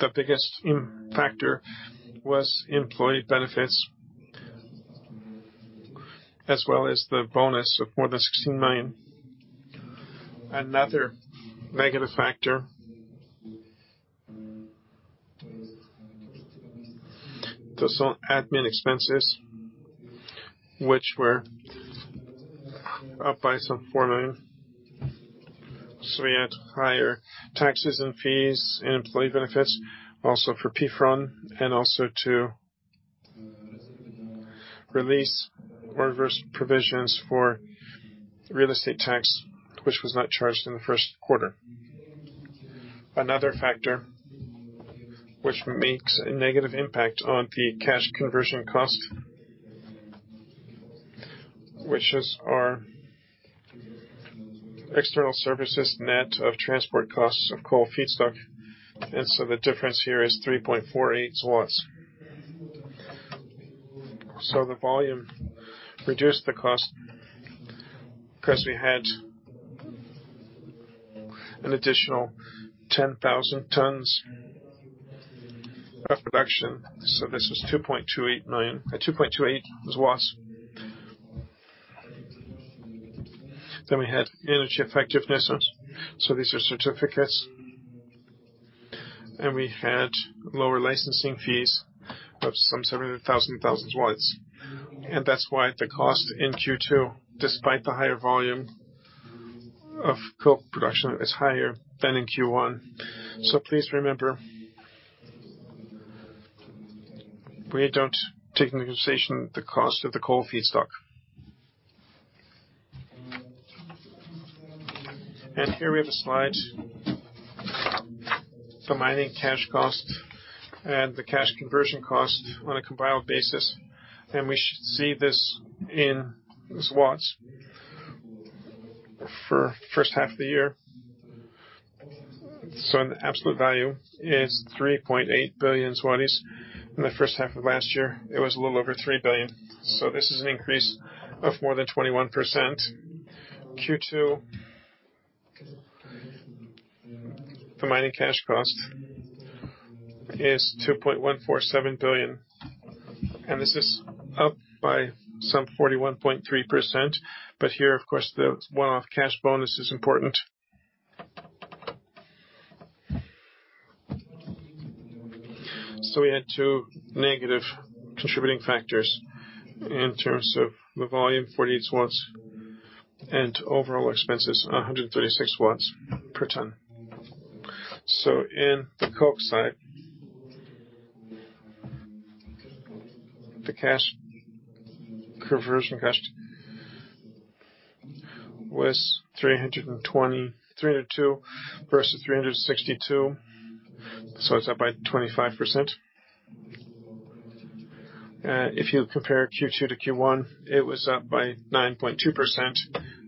The biggest impact factor was employee benefits as well as the bonus of more than 16 million. Another negative factor was on admin expenses, which were up by some 4 million. We had higher taxes and fees and employee benefits also for PFRON, and also to release reverse provisions for real estate tax, which was not charged in the first quarter. Another factor which makes a negative impact on the cash conversion cost, which is our external services net of transport costs of coal feedstock, and the difference here is 3.48. The volume reduced the cost because we had an additional 10,000 tons of production. This is 2.28 million, 2.28 złoty. We had energy effectiveness. These are certificates. We had lower licensing fees of some 70,000. That's why the cost in Q2, despite the higher volume of coke production, is higher than in Q1. Please remember, we don't take into consideration the cost of the coal feedstock. Here we have a slide for mining cash cost and the cash conversion cost on a combined basis, and we see this in złoty for first half of the year. An absolute value is 3.8 billion zlotys. In the first half of last year, it was a little over 3 billion. This is an increase of more than 21%. Q2, the mining cash cost is 2.147 billion, and this is up by some 41.3%. Here, of course, the one-off cash bonus is important. We had two negative contributing factors in terms of the volume, 48 PLN, and overall expenses, 136 PLN per ton. In the coke side, the cash conversion cost was 320, 302 versus 362, so it's up by 25%. If you compare Q2 to Q1, it was up by 9.2%,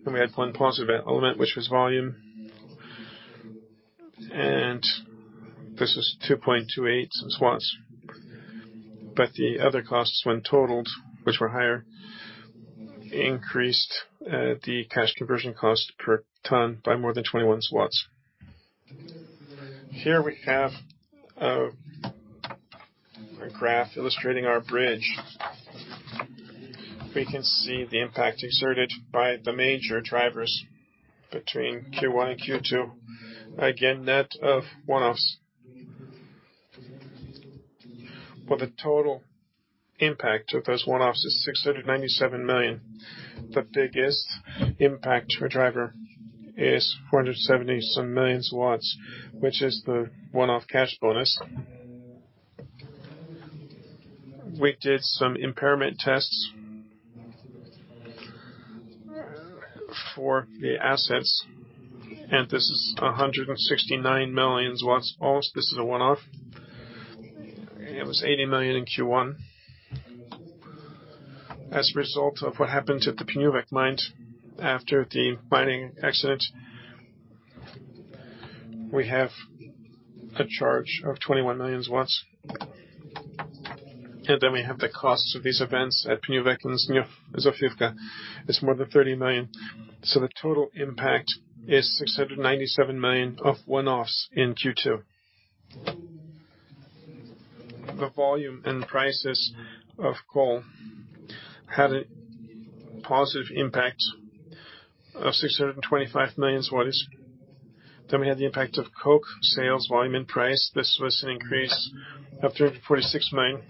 and we had one positive element, which was volume, and this is 2.28 PLN. The other costs when totaled, which were higher, increased the cash conversion cost per ton by more than 21 PLN. Here we have a graph illustrating our bridge. We can see the impact exerted by the major drivers between Q1 and Q2. Again, net of one-offs, where the total impact of those one-offs is 697 million. The biggest impact or driver is 470 million, which is the one-off cash bonus. We did some impairment tests for the assets, and this is 169 million. Also, this is a one-off. It was 80 million in Q1. As a result of what happened at the Pniówek mine after the mining accident, we have a charge of 21 million. And then we have the costs of these events at Pniówek and Zofiówka is more than 30 million. The total impact is 697 million of one-offs in Q2. The volume and prices of coal had a positive impact of 625 million. We had the impact of coke sales volume and price. This was an increase of 346 million.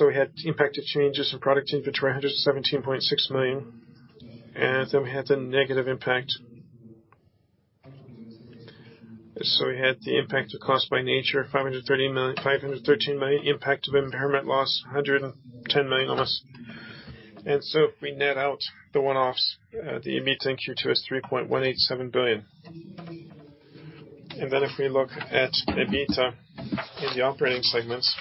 We had impact of changes in product inventory, 117.6 million. We had the negative impact. We had the impact of cost by nature, 513 million. Impact of impairment loss, 110 million on us. If we net out the one-offs, the EBIT in Q2 is 3.187 billion. If we look at EBITDA in the operating segments.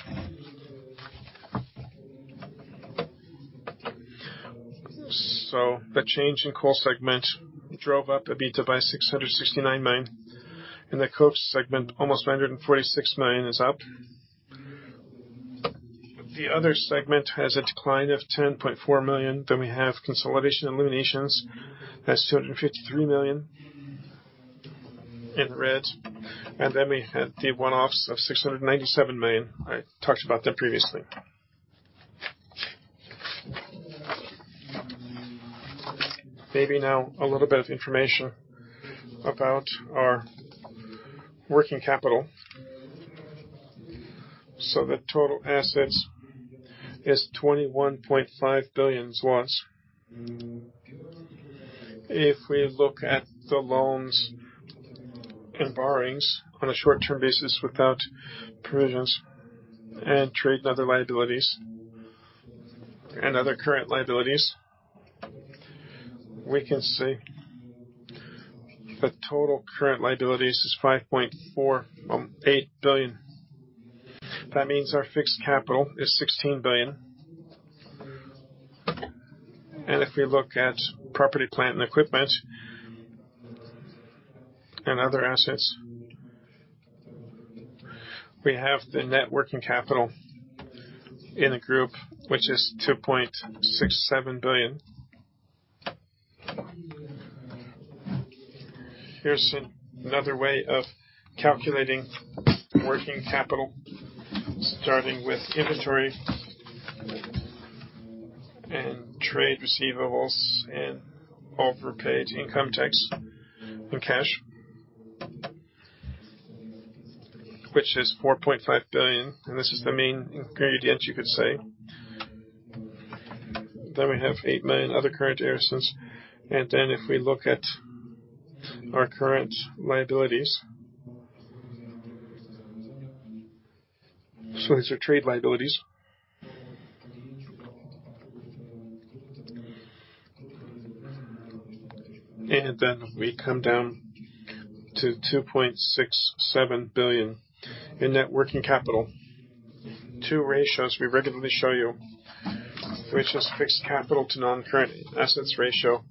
The change in coal segment drove up EBITDA by 669 million. In the coke segment, almost 146 million is up. The other segment has a decline of 10.4 million. We have consolidation eliminations. That's 253 million in red. We had the one-offs of 697 million. I talked about them previously. Maybe now a little bit of information about our working capital. The total assets is 21.5 billion. If we look at the loans and borrowings on a short-term basis without provisions and trade in other liabilities and other current liabilities, we can see the total current liabilities is 5.8 billion. That means our fixed capital is 16 billion. If we look at property, plant, and equipment and other assets, we have the net working capital in the group, which is 2.67 billion. Here's another way of calculating working capital, starting with inventory and trade receivables and overpaid income tax and cash, which is 4.5 billion, and this is the main ingredient, you could say. We have 8 million other current assets. If we look at our current liabilities. These are trade liabilities. We come down to 2.67 billion in net working capital. Two ratios we regularly show you, which is fixed capital to non-current assets ratio,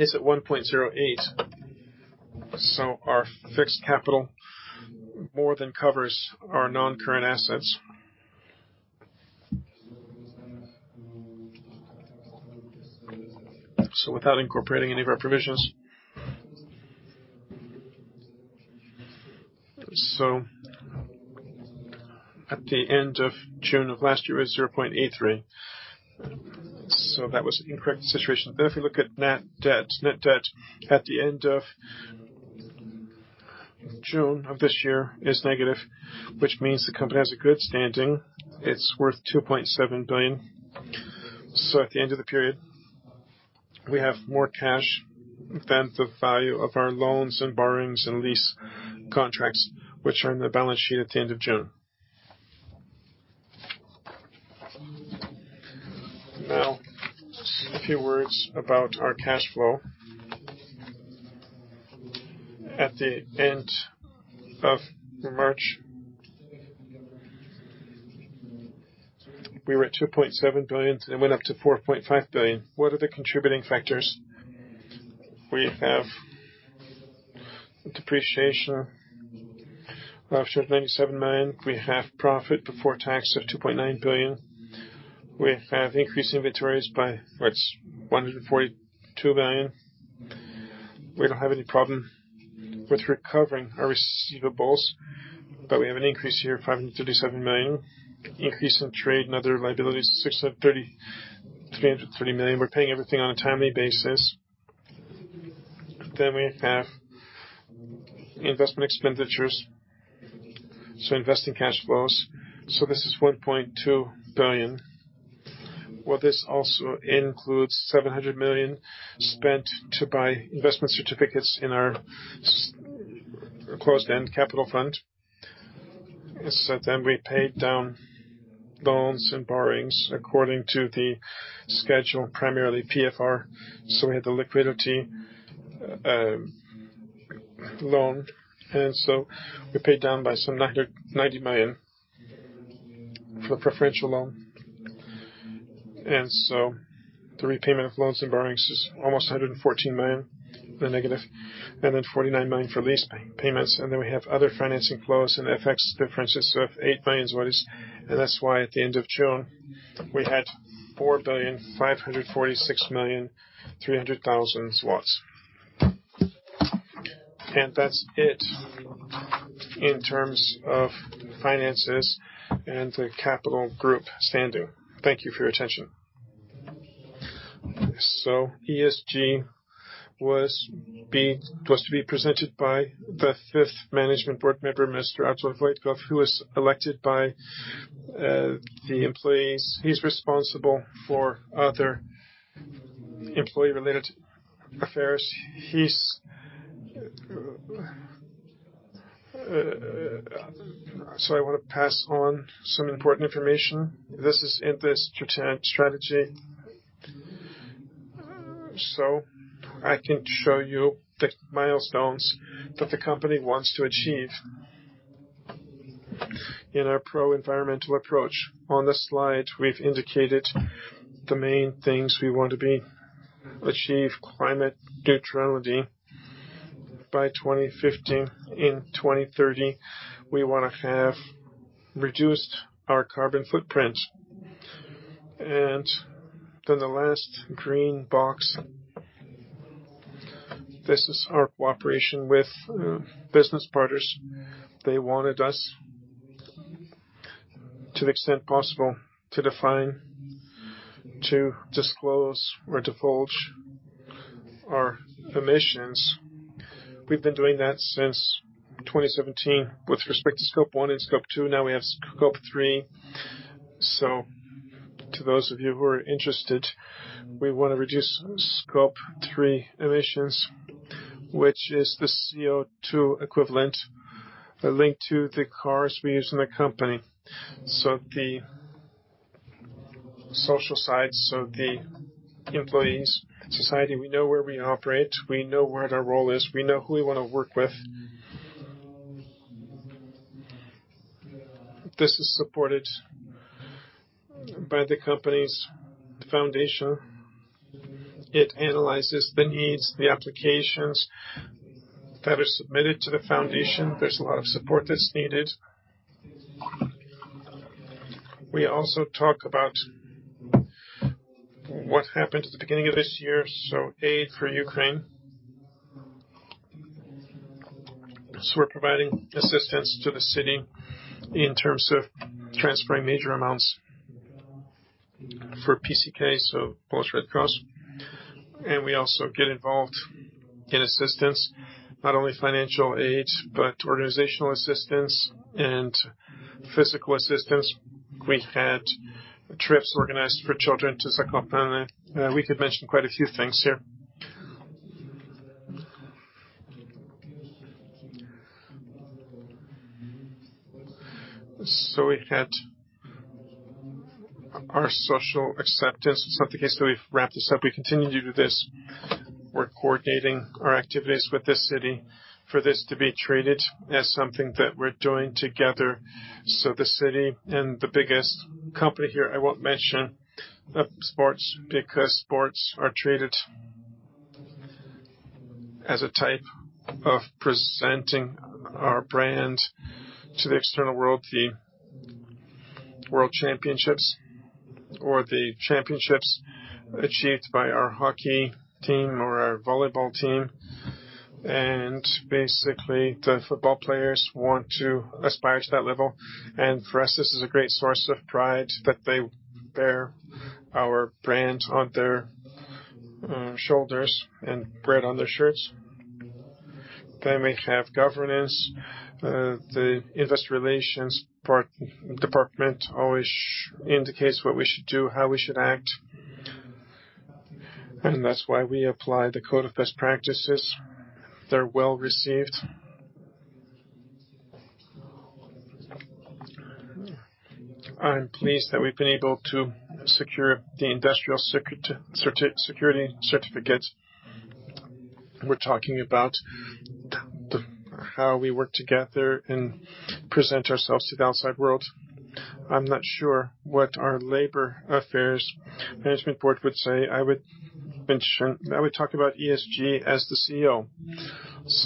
is at 1.08. Our fixed capital more than covers our non-current assets. Without incorporating any of our provisions. At the end of June of last year, it was 0.83. That was an incorrect situation. If we look at net debt. Net debt at the end of June of this year is negative, which means the company has a good standing. It's worth 2.7 billion. At the end of the period, we have more cash than the value of our loans and borrowings and lease contracts, which are in the balance sheet at the end of June. Now, a few words about our cash flow. At the end of March, we were at 2.7 billion, and it went up to 4.5 billion. What are the contributing factors? We have depreciation of 97 million. We have profit before tax of 2.9 billion. We have increased inventories by 142 million. We don't have any problem with recovering our receivables, but we have an increase here, 537 million. Increase in trade and other liabilities, 633.3 million. We're paying everything on a timely basis. We have investment expenditures, so investing cash flows. This is 1.2 billion. Well, this also includes 700 million spent to buy investment certificates in our closed-end capital fund. We paid down loans and borrowings according to the schedule, primarily PFR. We had the liquidity loan, and we paid down by some 90 million for preferential loan. The repayment of loans and borrowings is almost 114 million in the negative, and then 49 million for lease payments. We have other financing flows and FX differences of 8 million. That's why at the end of June, we had 4,546.3 million. That's it in terms of finances and the capital group standing. Thank you for your attention. ESG was to be presented by the fifth management board member, Mr. Artur Wojtków, who was elected by the employees. He's responsible for other employee-related affairs. I wanna pass on some important information. This is in this strategy. I can show you the milestones that the company wants to achieve in our pro-environmental approach. On this slide, we've indicated the main things we want to achieve climate neutrality by 2015. In 2030, we wanna have reduced our carbon footprint. Then the last green box, this is our cooperation with business partners. They wanted us, to the extent possible, to define, to disclose or divulge our emissions. We've been doing that since 2017 with respect to Scope 1 and Scope 2. Now we have Scope 3. To those of you who are interested, we wanna reduce Scope 3 emissions, which is the CO2 equivalent linked to the cars we use in the company. The social sides of the employees, society we know where we operate, we know where their role is, we know who we wanna work with. This is supported by the company's foundation. It analyzes the needs, the applications that are submitted to the foundation. There's a lot of support that's needed. We also talk about what happened at the beginning of this year, so aid for Ukraine. We're providing assistance to the city in terms of transferring major amounts for PCK, so Polish Red Cross. We also get involved in assistance, not only financial aid, but organizational assistance and physical assistance. We've had trips organized for children to Zakopane. We could mention quite a few things here. We've had our social acceptance. I think it's good we've wrapped this up. We continue to do this. We're coordinating our activities with the city for this to be treated as something that we're doing together. The city and the biggest company here, I won't mention, sports because sports are treated as a type of presenting our brand to the external world, the world championships or the championships achieved by our hockey team or our volleyball team. Basically, the football players want to aspire to that level. For us, this is a great source of pride that they bear our brand on their shoulders and spread on their shirts. They may have governance. The investor relations department always indicates what we should do, how we should act. That's why we apply the code of best practices. They're well-received. I'm pleased that we've been able to secure the industrial security certificate. We're talking about how we work together and present ourselves to the outside world. I'm not sure what our labor affairs management board would say. I would talk about ESG as the CEO.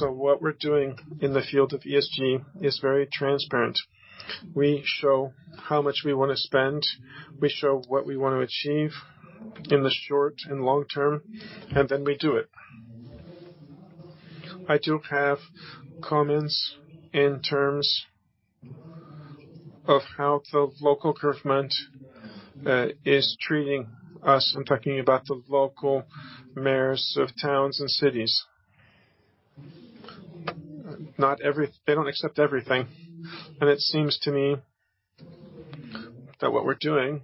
What we're doing in the field of ESG is very transparent. We show how much we wanna spend, we show what we wanna achieve in the short and long term, and then we do it. I do have comments in terms of how the local government is treating us. I'm talking about the local mayors of towns and cities. They don't accept everything. It seems to me that what we're doing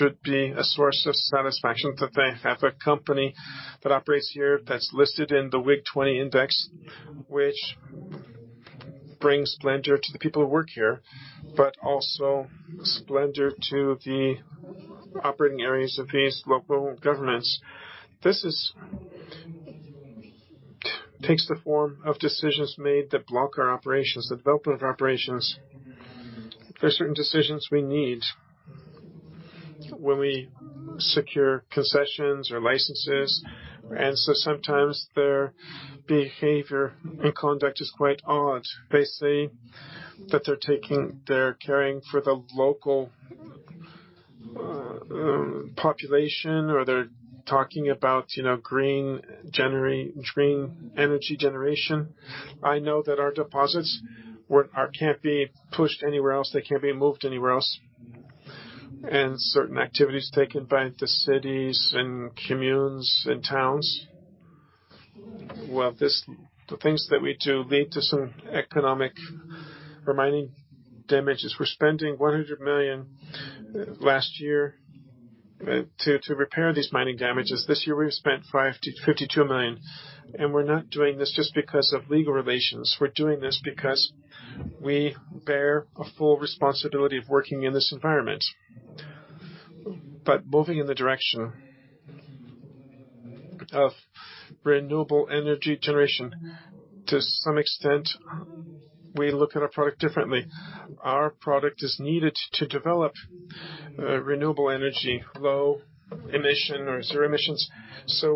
should be a source of satisfaction that they have a company that operates here that's listed in the WIG20 index, which brings splendor to the people who work here, but also splendor to the operating areas of these local governments. This takes the form of decisions made that block our operations, the development of our operations. There are certain decisions we need when we secure concessions or licenses, and so sometimes their behavior and conduct is quite odd. They say that they're caring for the local population, or they're talking about, you know, green energy generation. I know that our deposits can't be pushed anywhere else, they can't be moved anywhere else. Certain activities taken by the cities and communes and towns, the things that we do lead to some economic or mining damages. We're spending 100 million last year to repair these mining damages. This year, we've spent 5-52 million. We're not doing this just because of legal relations. We're doing this because we bear a full responsibility of working in this environment. Moving in the direction of renewable energy generation, to some extent, we look at our product differently. Our product is needed to develop renewable energy, low emission or zero emissions.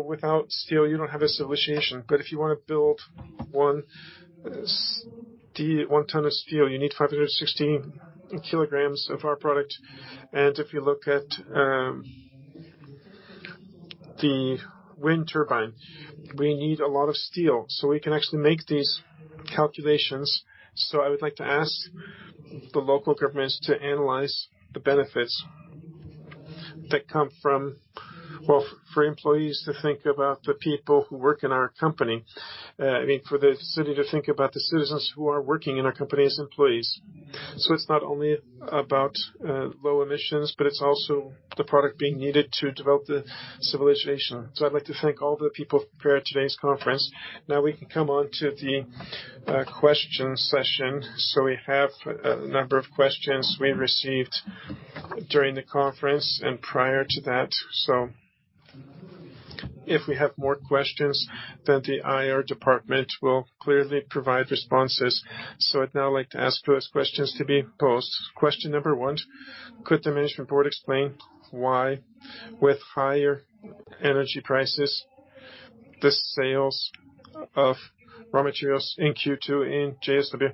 Without steel, you don't have a civilization. If you wanna build the 1 ton of steel, you need 516 kilograms of our product. If you look at the wind turbine, we need a lot of steel, so we can actually make these calculations. I would like to ask the local governments to analyze the benefits that come from for employees to think about the people who work in our company. I mean, for the city to think about the citizens who are working in our company as employees. It's not only about low emissions, but it's also the product being needed to develop the civilization. I'd like to thank all the people who prepared today's conference. Now we can come on to the question session. We have a number of questions we received during the conference and prior to that. If we have more questions, then the IR department will clearly provide responses. I'd now like to ask those questions to be posed. Question number one. Could the management board explain why with higher energy prices, the sales of raw materials in Q2 in JSW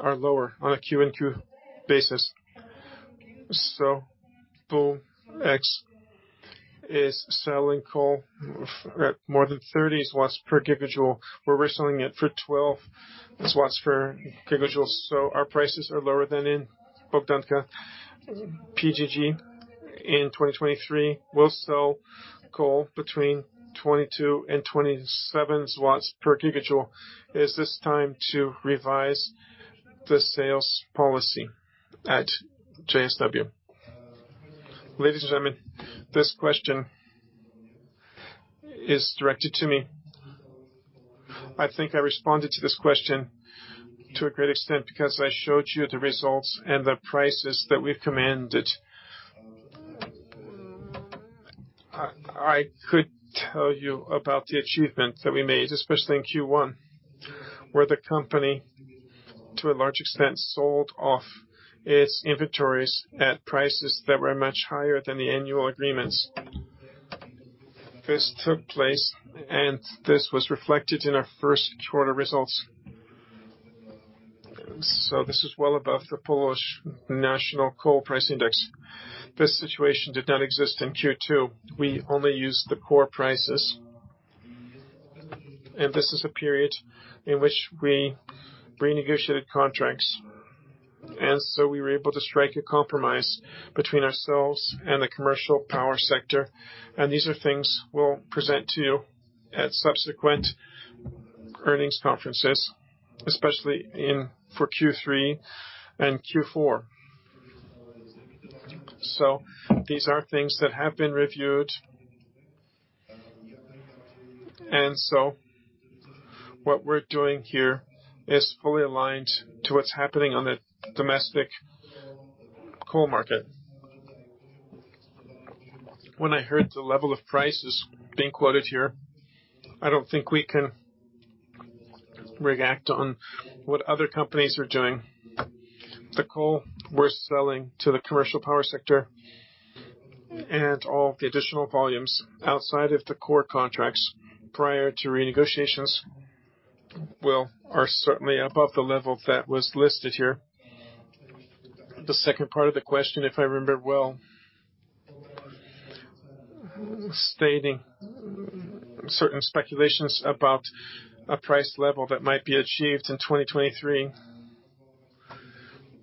are lower on a Q&Q basis? PolPX is selling coal at more than 30 PLN per gigajoule, where we're selling it for 12 PLN per gigajoule. Our prices are lower than in Bogdanka. PGG in 2023 will sell coal between 22-27 PLN per gigajoule. Is this time to revise the sales policy at JSW? Ladies and gentlemen, this question is directed to me. I think I responded to this question to a great extent because I showed you the results and the prices that we've commanded. I could tell you about the achievement that we made, especially in Q1, where the company, to a large extent, sold off its inventories at prices that were much higher than the annual agreements. This took place, and this was reflected in our first quarter results. This is well above the Polish national coal price index. This situation did not exist in Q2. We only used the core prices. This is a period in which we renegotiated contracts. We were able to strike a compromise between ourselves and the commercial power sector. These are things we'll present to you at subsequent earnings conferences, especially for Q3 and Q4. These are things that have been reviewed. What we're doing here is fully aligned to what's happening on the domestic coal market. When I heard the level of prices being quoted here, I don't think we can react on what other companies are doing. The coal we're selling to the commercial power sector and all the additional volumes outside of the core contracts prior to renegotiations are certainly above the level that was listed here. The second part of the question, if I remember well, stating certain speculations about a price level that might be achieved in 2023.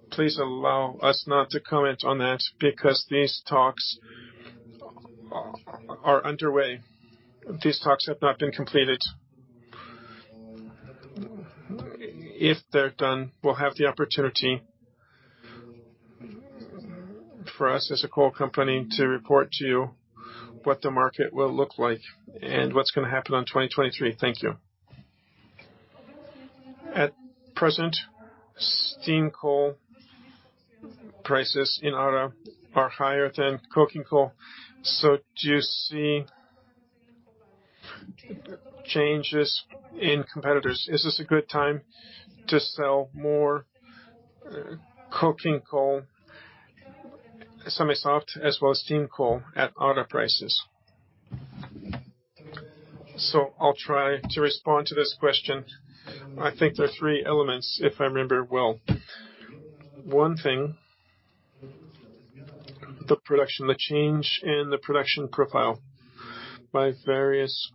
Please allow us not to comment on that because these talks are underway. These talks have not been completed. If they're done, we'll have the opportunity for us as a coal company to report to you what the market will look like and what's gonna happen on 2023. Thank you. At present, steam coal prices in ARA are higher than coking coal. Do you see changes in competitors? Is this a good time to sell more, coking coal, semi-soft, as well as steam coal at ARA prices? I'll try to respond to this question. I think there are three elements, if I remember well. One thing, the production, the change in the production profile by various,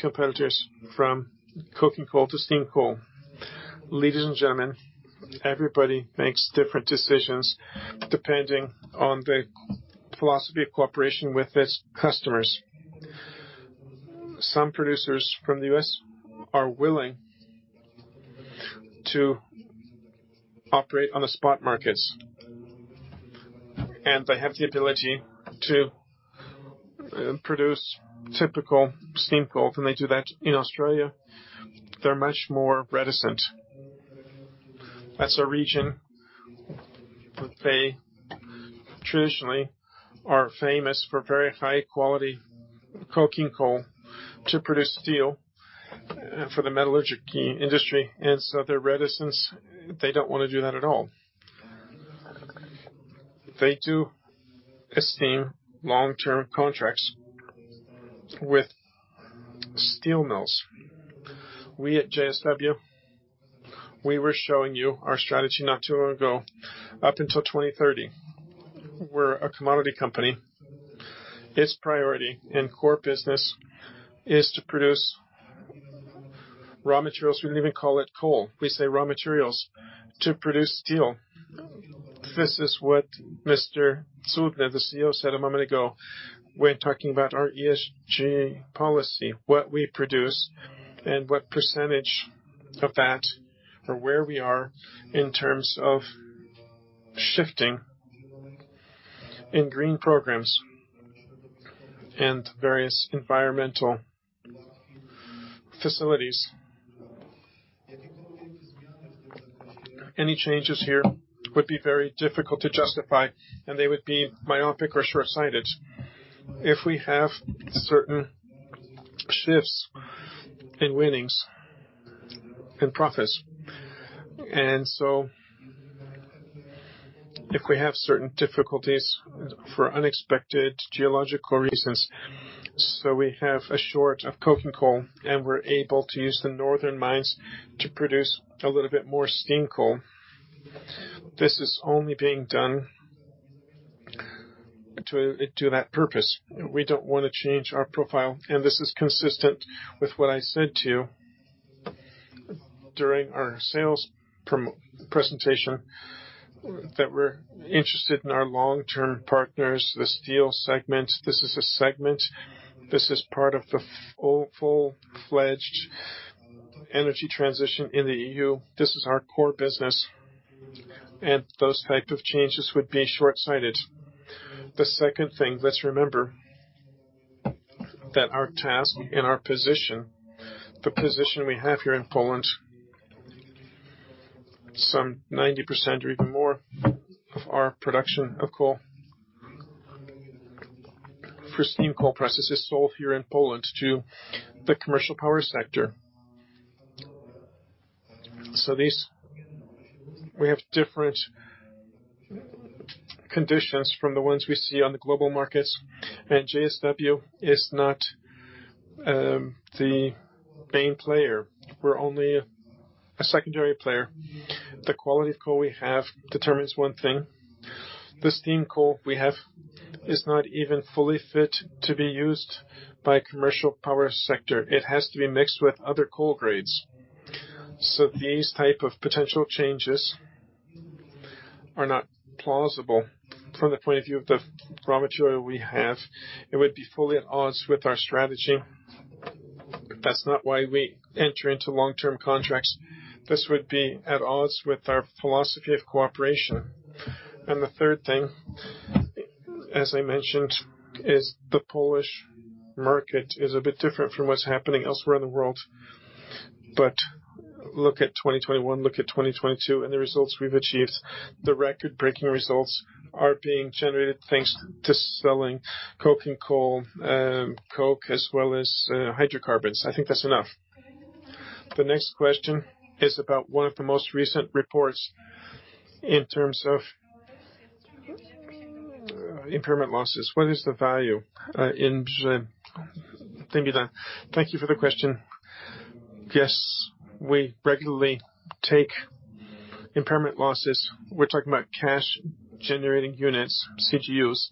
competitors from coking coal to steam coal. Ladies and gentlemen, everybody makes different decisions depending on the philosophy of cooperation with its customers. Some producers from the U.S. are willing to operate on the spot markets, and they have the ability to, produce typical steam coal, and they do that in Australia. They're much more reticent. As a region, they traditionally are famous for very high quality coking coal to produce steel for the metallurgical industry, and so they're reticent. They don't want to do that at all. They do esteem long-term contracts with steel mills. We at JSW, we were showing you our strategy not too long ago, up until 2030. We're a commodity company. Its priority and core business is to produce raw materials. We don't even call it coal. We say raw materials to produce steel. This is what Tomasz Cudny, the CEO, said a moment ago when talking about our ESG policy, what we produce and what percentage of that or where we are in terms of shifting in green programs and various environmental facilities. Any changes here would be very difficult to justify, and they would be myopic or short-sighted if we have certain shifts in earnings and profits. If we have certain difficulties from unexpected geological reasons, we have a shortage of coking coal, and we're able to use the northern mines to produce a little bit more steam coal. This is only being done to that purpose. We don't wanna change our profile. This is consistent with what I said to you during our sales presentation, that we're interested in our long-term partners, the steel segment. This is a segment. This is part of the full-fledged energy transition in the EU. This is our core business, and those type of changes would be short-sighted. The second thing, let's remember that our task and our position, the position we have here in Poland, some 90% or even more of our production of coal for steam coal prices is sold here in Poland to the commercial power sector. We have different conditions from the ones we see on the global markets, and JSW is not the main player. We're only a secondary player. The quality of coal we have determines one thing. The steam coal we have is not even fully fit to be used by commercial power sector. It has to be mixed with other coal grades. These type of potential changes are not plausible from the point of view of the raw material we have. It would be fully at odds with our strategy. That's not why we enter into long-term contracts. This would be at odds with our philosophy of cooperation. The third thing, as I mentioned, is the Polish market is a bit different from what's happening elsewhere in the world. Look at 2021, look at 2022, and the results we've achieved. The record-breaking results are being generated thanks to selling coking coal, coke, as well as, hydrocarbons. I think that's enough. The next question is about one of the most recent reports in terms of, impairment losses. What is the value in Źródeł? Thank you for the question. Yes, we regularly take impairment losses. We're talking about cash generating units, CGUs.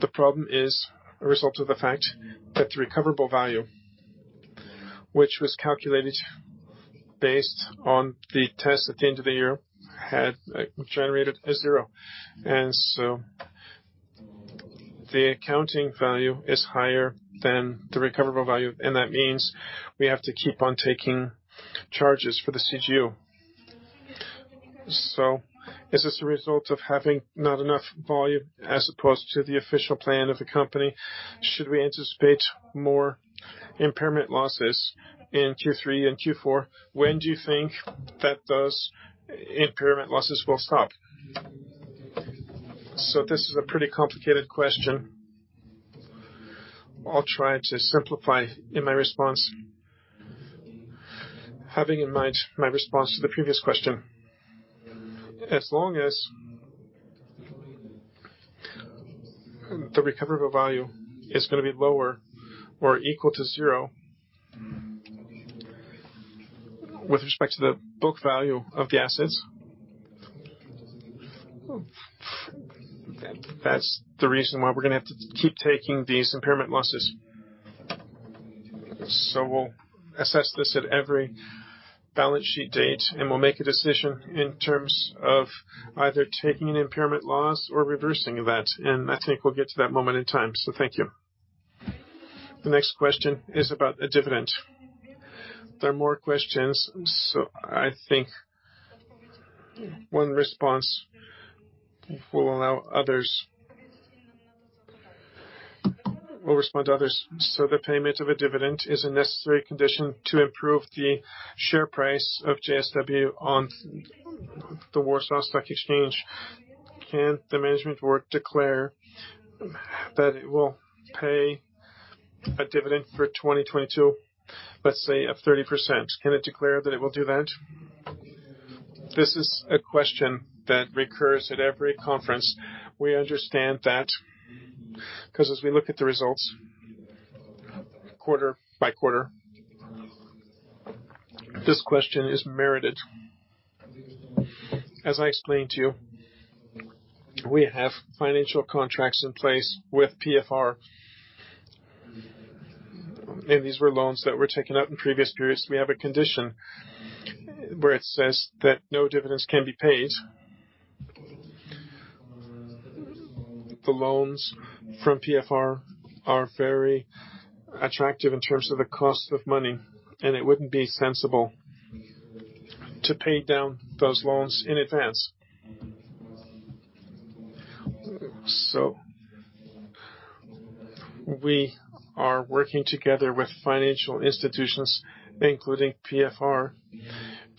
The problem is a result of the fact that the recoverable value, which was calculated based on the test at the end of the year, had generated a zero. The accounting value is higher than the recoverable value, and that means we have to keep on taking charges for the CGU. Is this a result of having not enough volume as opposed to the official plan of the company? Should we anticipate more impairment losses in Q3 and Q4? When do you think that those impairment losses will stop? This is a pretty complicated question. I'll try to simplify in my response. Having in mind my response to the previous question. As long as the recoverable value is gonna be lower or equal to zero, with respect to the book value of the assets, that's the reason why we're gonna have to keep taking these impairment losses. We'll assess this at every balance sheet date, and we'll make a decision in terms of either taking an impairment loss or reversing that. I think we'll get to that moment in time. Thank you. The next question is about a dividend. There are more questions, so I think one response will respond to others. The payment of a dividend is a necessary condition to improve the share price of JSW on the Warsaw Stock Exchange. Can the management board declare that it will pay a dividend for 2022, let's say of 30%? Can it declare that it will do that? This is a question that recurs at every conference. We understand that, 'cause as we look at the results quarter by quarter, this question is merited. As I explained to you, we have financial contracts in place with PFR. These were loans that were taken out in previous periods. We have a condition where it says that no dividends can be paid. The loans from PFR are very attractive in terms of the cost of money, and it wouldn't be sensible to pay down those loans in advance. We are working together with financial institutions, including PFR,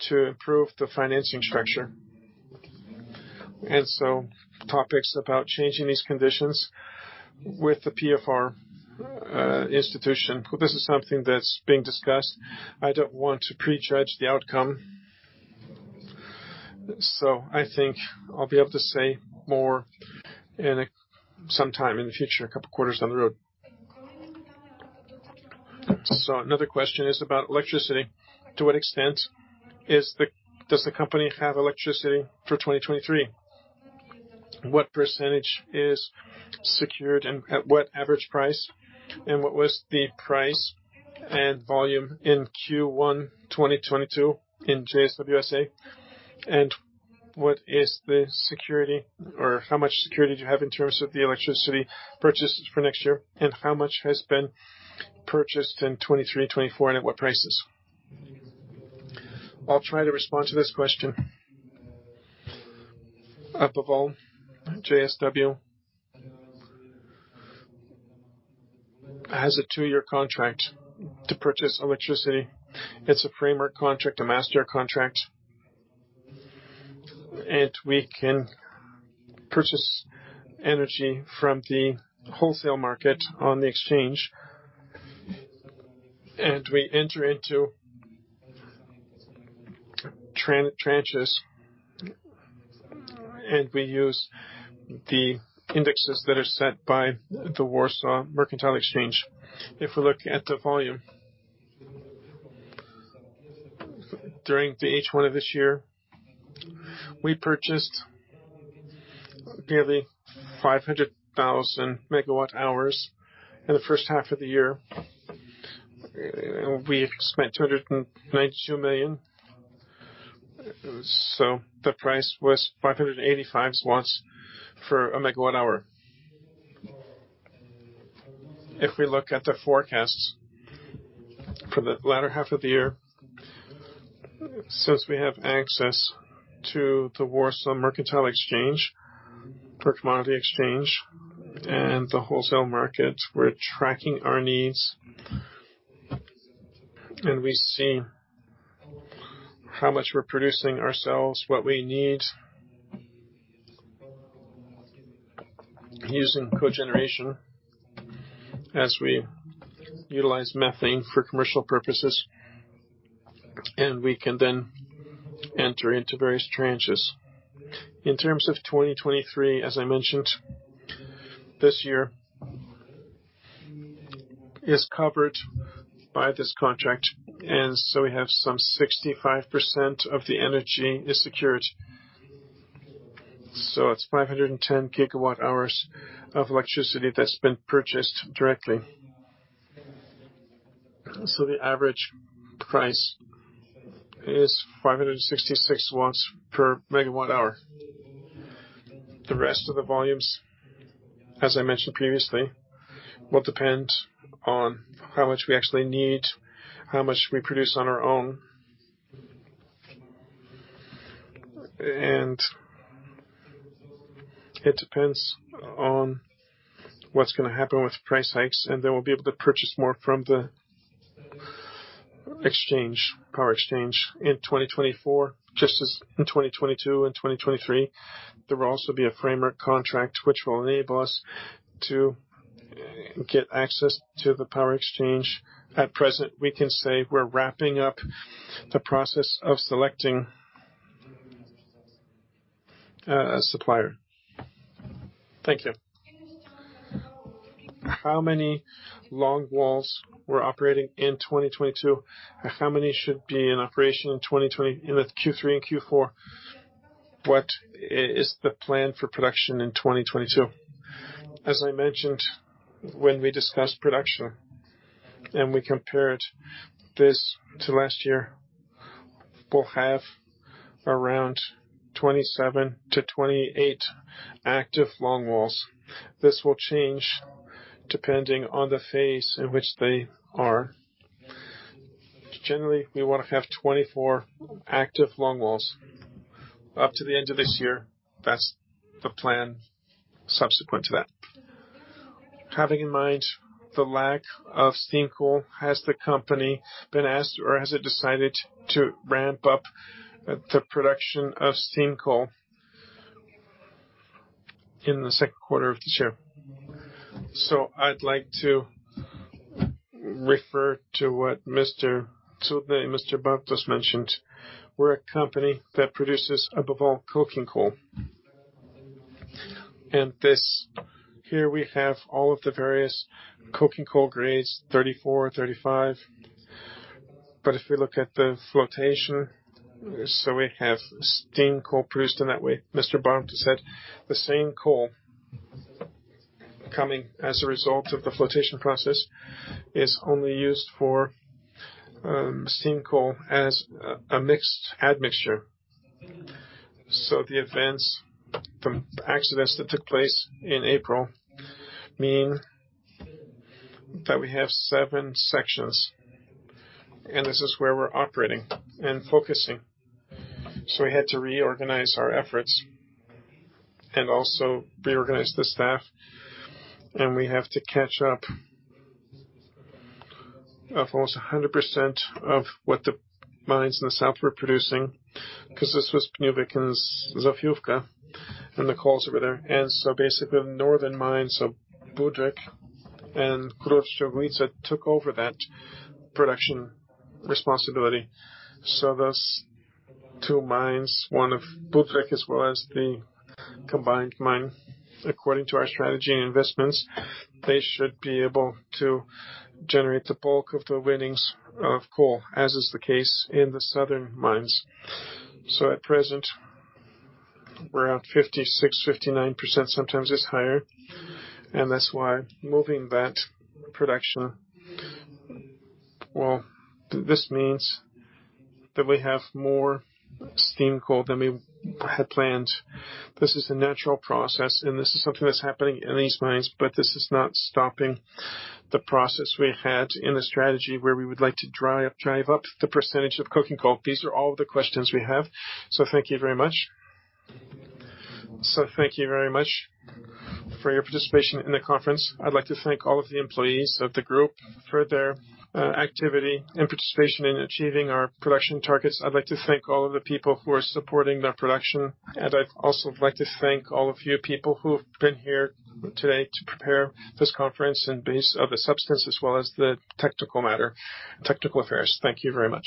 to improve the financing structure. Topics about changing these conditions with the PFR institution, this is something that's being discussed. I don't want to pre-judge the outcome. I think I'll be able to say more sometime in the future, a couple of quarters down the road. Another question is about electricity. To what extent does the company have electricity for 2023? What percentage is secured and at what average price? And what was the price and volume in Q1, 2022 in JSW SA? And what is the security or how much security do you have in terms of the electricity purchases for next year? And how much has been purchased in 2023 and 2024, and at what prices? I'll try to respond to this question. Above all, JSW has a two-year contract to purchase electricity. It's a framework contract, a master contract. We can purchase energy from the wholesale market on the exchange, and we enter into tranches, and we use the indexes that are set by the Warsaw Commodity Exchange. If we look at the volume, during the H1 of this year, we purchased nearly 500,000 MWh in the first half of the year. We spent 292 million. The price was 585 for a MWh. If we look at the forecast for the latter half of the year, since we have access to the Warsaw Commodity Exchange for commodity exchange and the wholesale market, we're tracking our needs and we see how much we're producing ourselves, what we need using cogeneration as we utilize methane for commercial purposes, and we can then enter into various tranches. In terms of 2023, as I mentioned, this year is covered by this contract, and so we have some 65% of the energy is secured. It's 510 GWh of electricity that's been purchased directly. The average price is 566 PLN per MWh. The rest of the volumes, as I mentioned previously, will depend on how much we actually need, how much we produce on our own. It depends on what's gonna happen with price hikes, and then we'll be able to purchase more from the exchange, power exchange in 2024, just as in 2022 and 2023. There will also be a framework contract which will enable us to get access to the power exchange. At present, we can say we're wrapping up the process of selecting a supplier. Thank you. How many long walls were operating in 2022? How many should be in operation in 2023 in Q3 and Q4? What is the plan for production in 2022? I mentioned, when we discussed production and we compared this to last year, we'll have around 27-28 active long walls. This will change depending on the phase in which they are. Generally, we wanna have 24 active long walls. Up to the end of this year, that's the plan subsequent to that. Having in mind the lack of steam coal, has the company been asked or has it decided to ramp up the production of steam coal in the second quarter of this year? I'd like to refer to what Mr. Cudny and Mr. Bartos mentioned. We're a company that produces above all, coking coal. This, here we have all of the various coking coal grades, 34, 35. If we look at the flotation, we have steam coal produced in that way. Mr. Bartos said the same coal coming as a result of the flotation process is only used for steam coal as a mixed admixture. The events from accidents that took place in April mean that we have 7 sections, and this is where we're operating and focusing. We had to reorganize our efforts and also reorganize the staff, and we have to catch up on almost 100% of what the mines in the south were producing, 'cause this was Pniówek and Zofiówka, and the coals over there. Basically, the northern mines of Budryk and Krupiński took over that production responsibility. Those two mines, one of Budryk as well as the combined mine. According to our strategy and investments, they should be able to generate the bulk of the winnings of coal, as is the case in the southern mines. At present, we're at 56%-59%, sometimes it's higher. That's why moving that production, well, this means that we have more steam coal than we had planned. This is a natural process, and this is something that's happening in these mines, but this is not stopping the process we had in the strategy where we would like to drive up the percentage of coking coal. These are all the questions we have. Thank you very much. Thank you very much for your participation in the conference. I'd like to thank all of the employees of the group for their activity and participation in achieving our production targets. I'd like to thank all of the people who are supporting their production. I'd also like to thank all of you people who have been here today to prepare this conference and base of the substance as well as the technical matter, technical affairs. Thank you very much.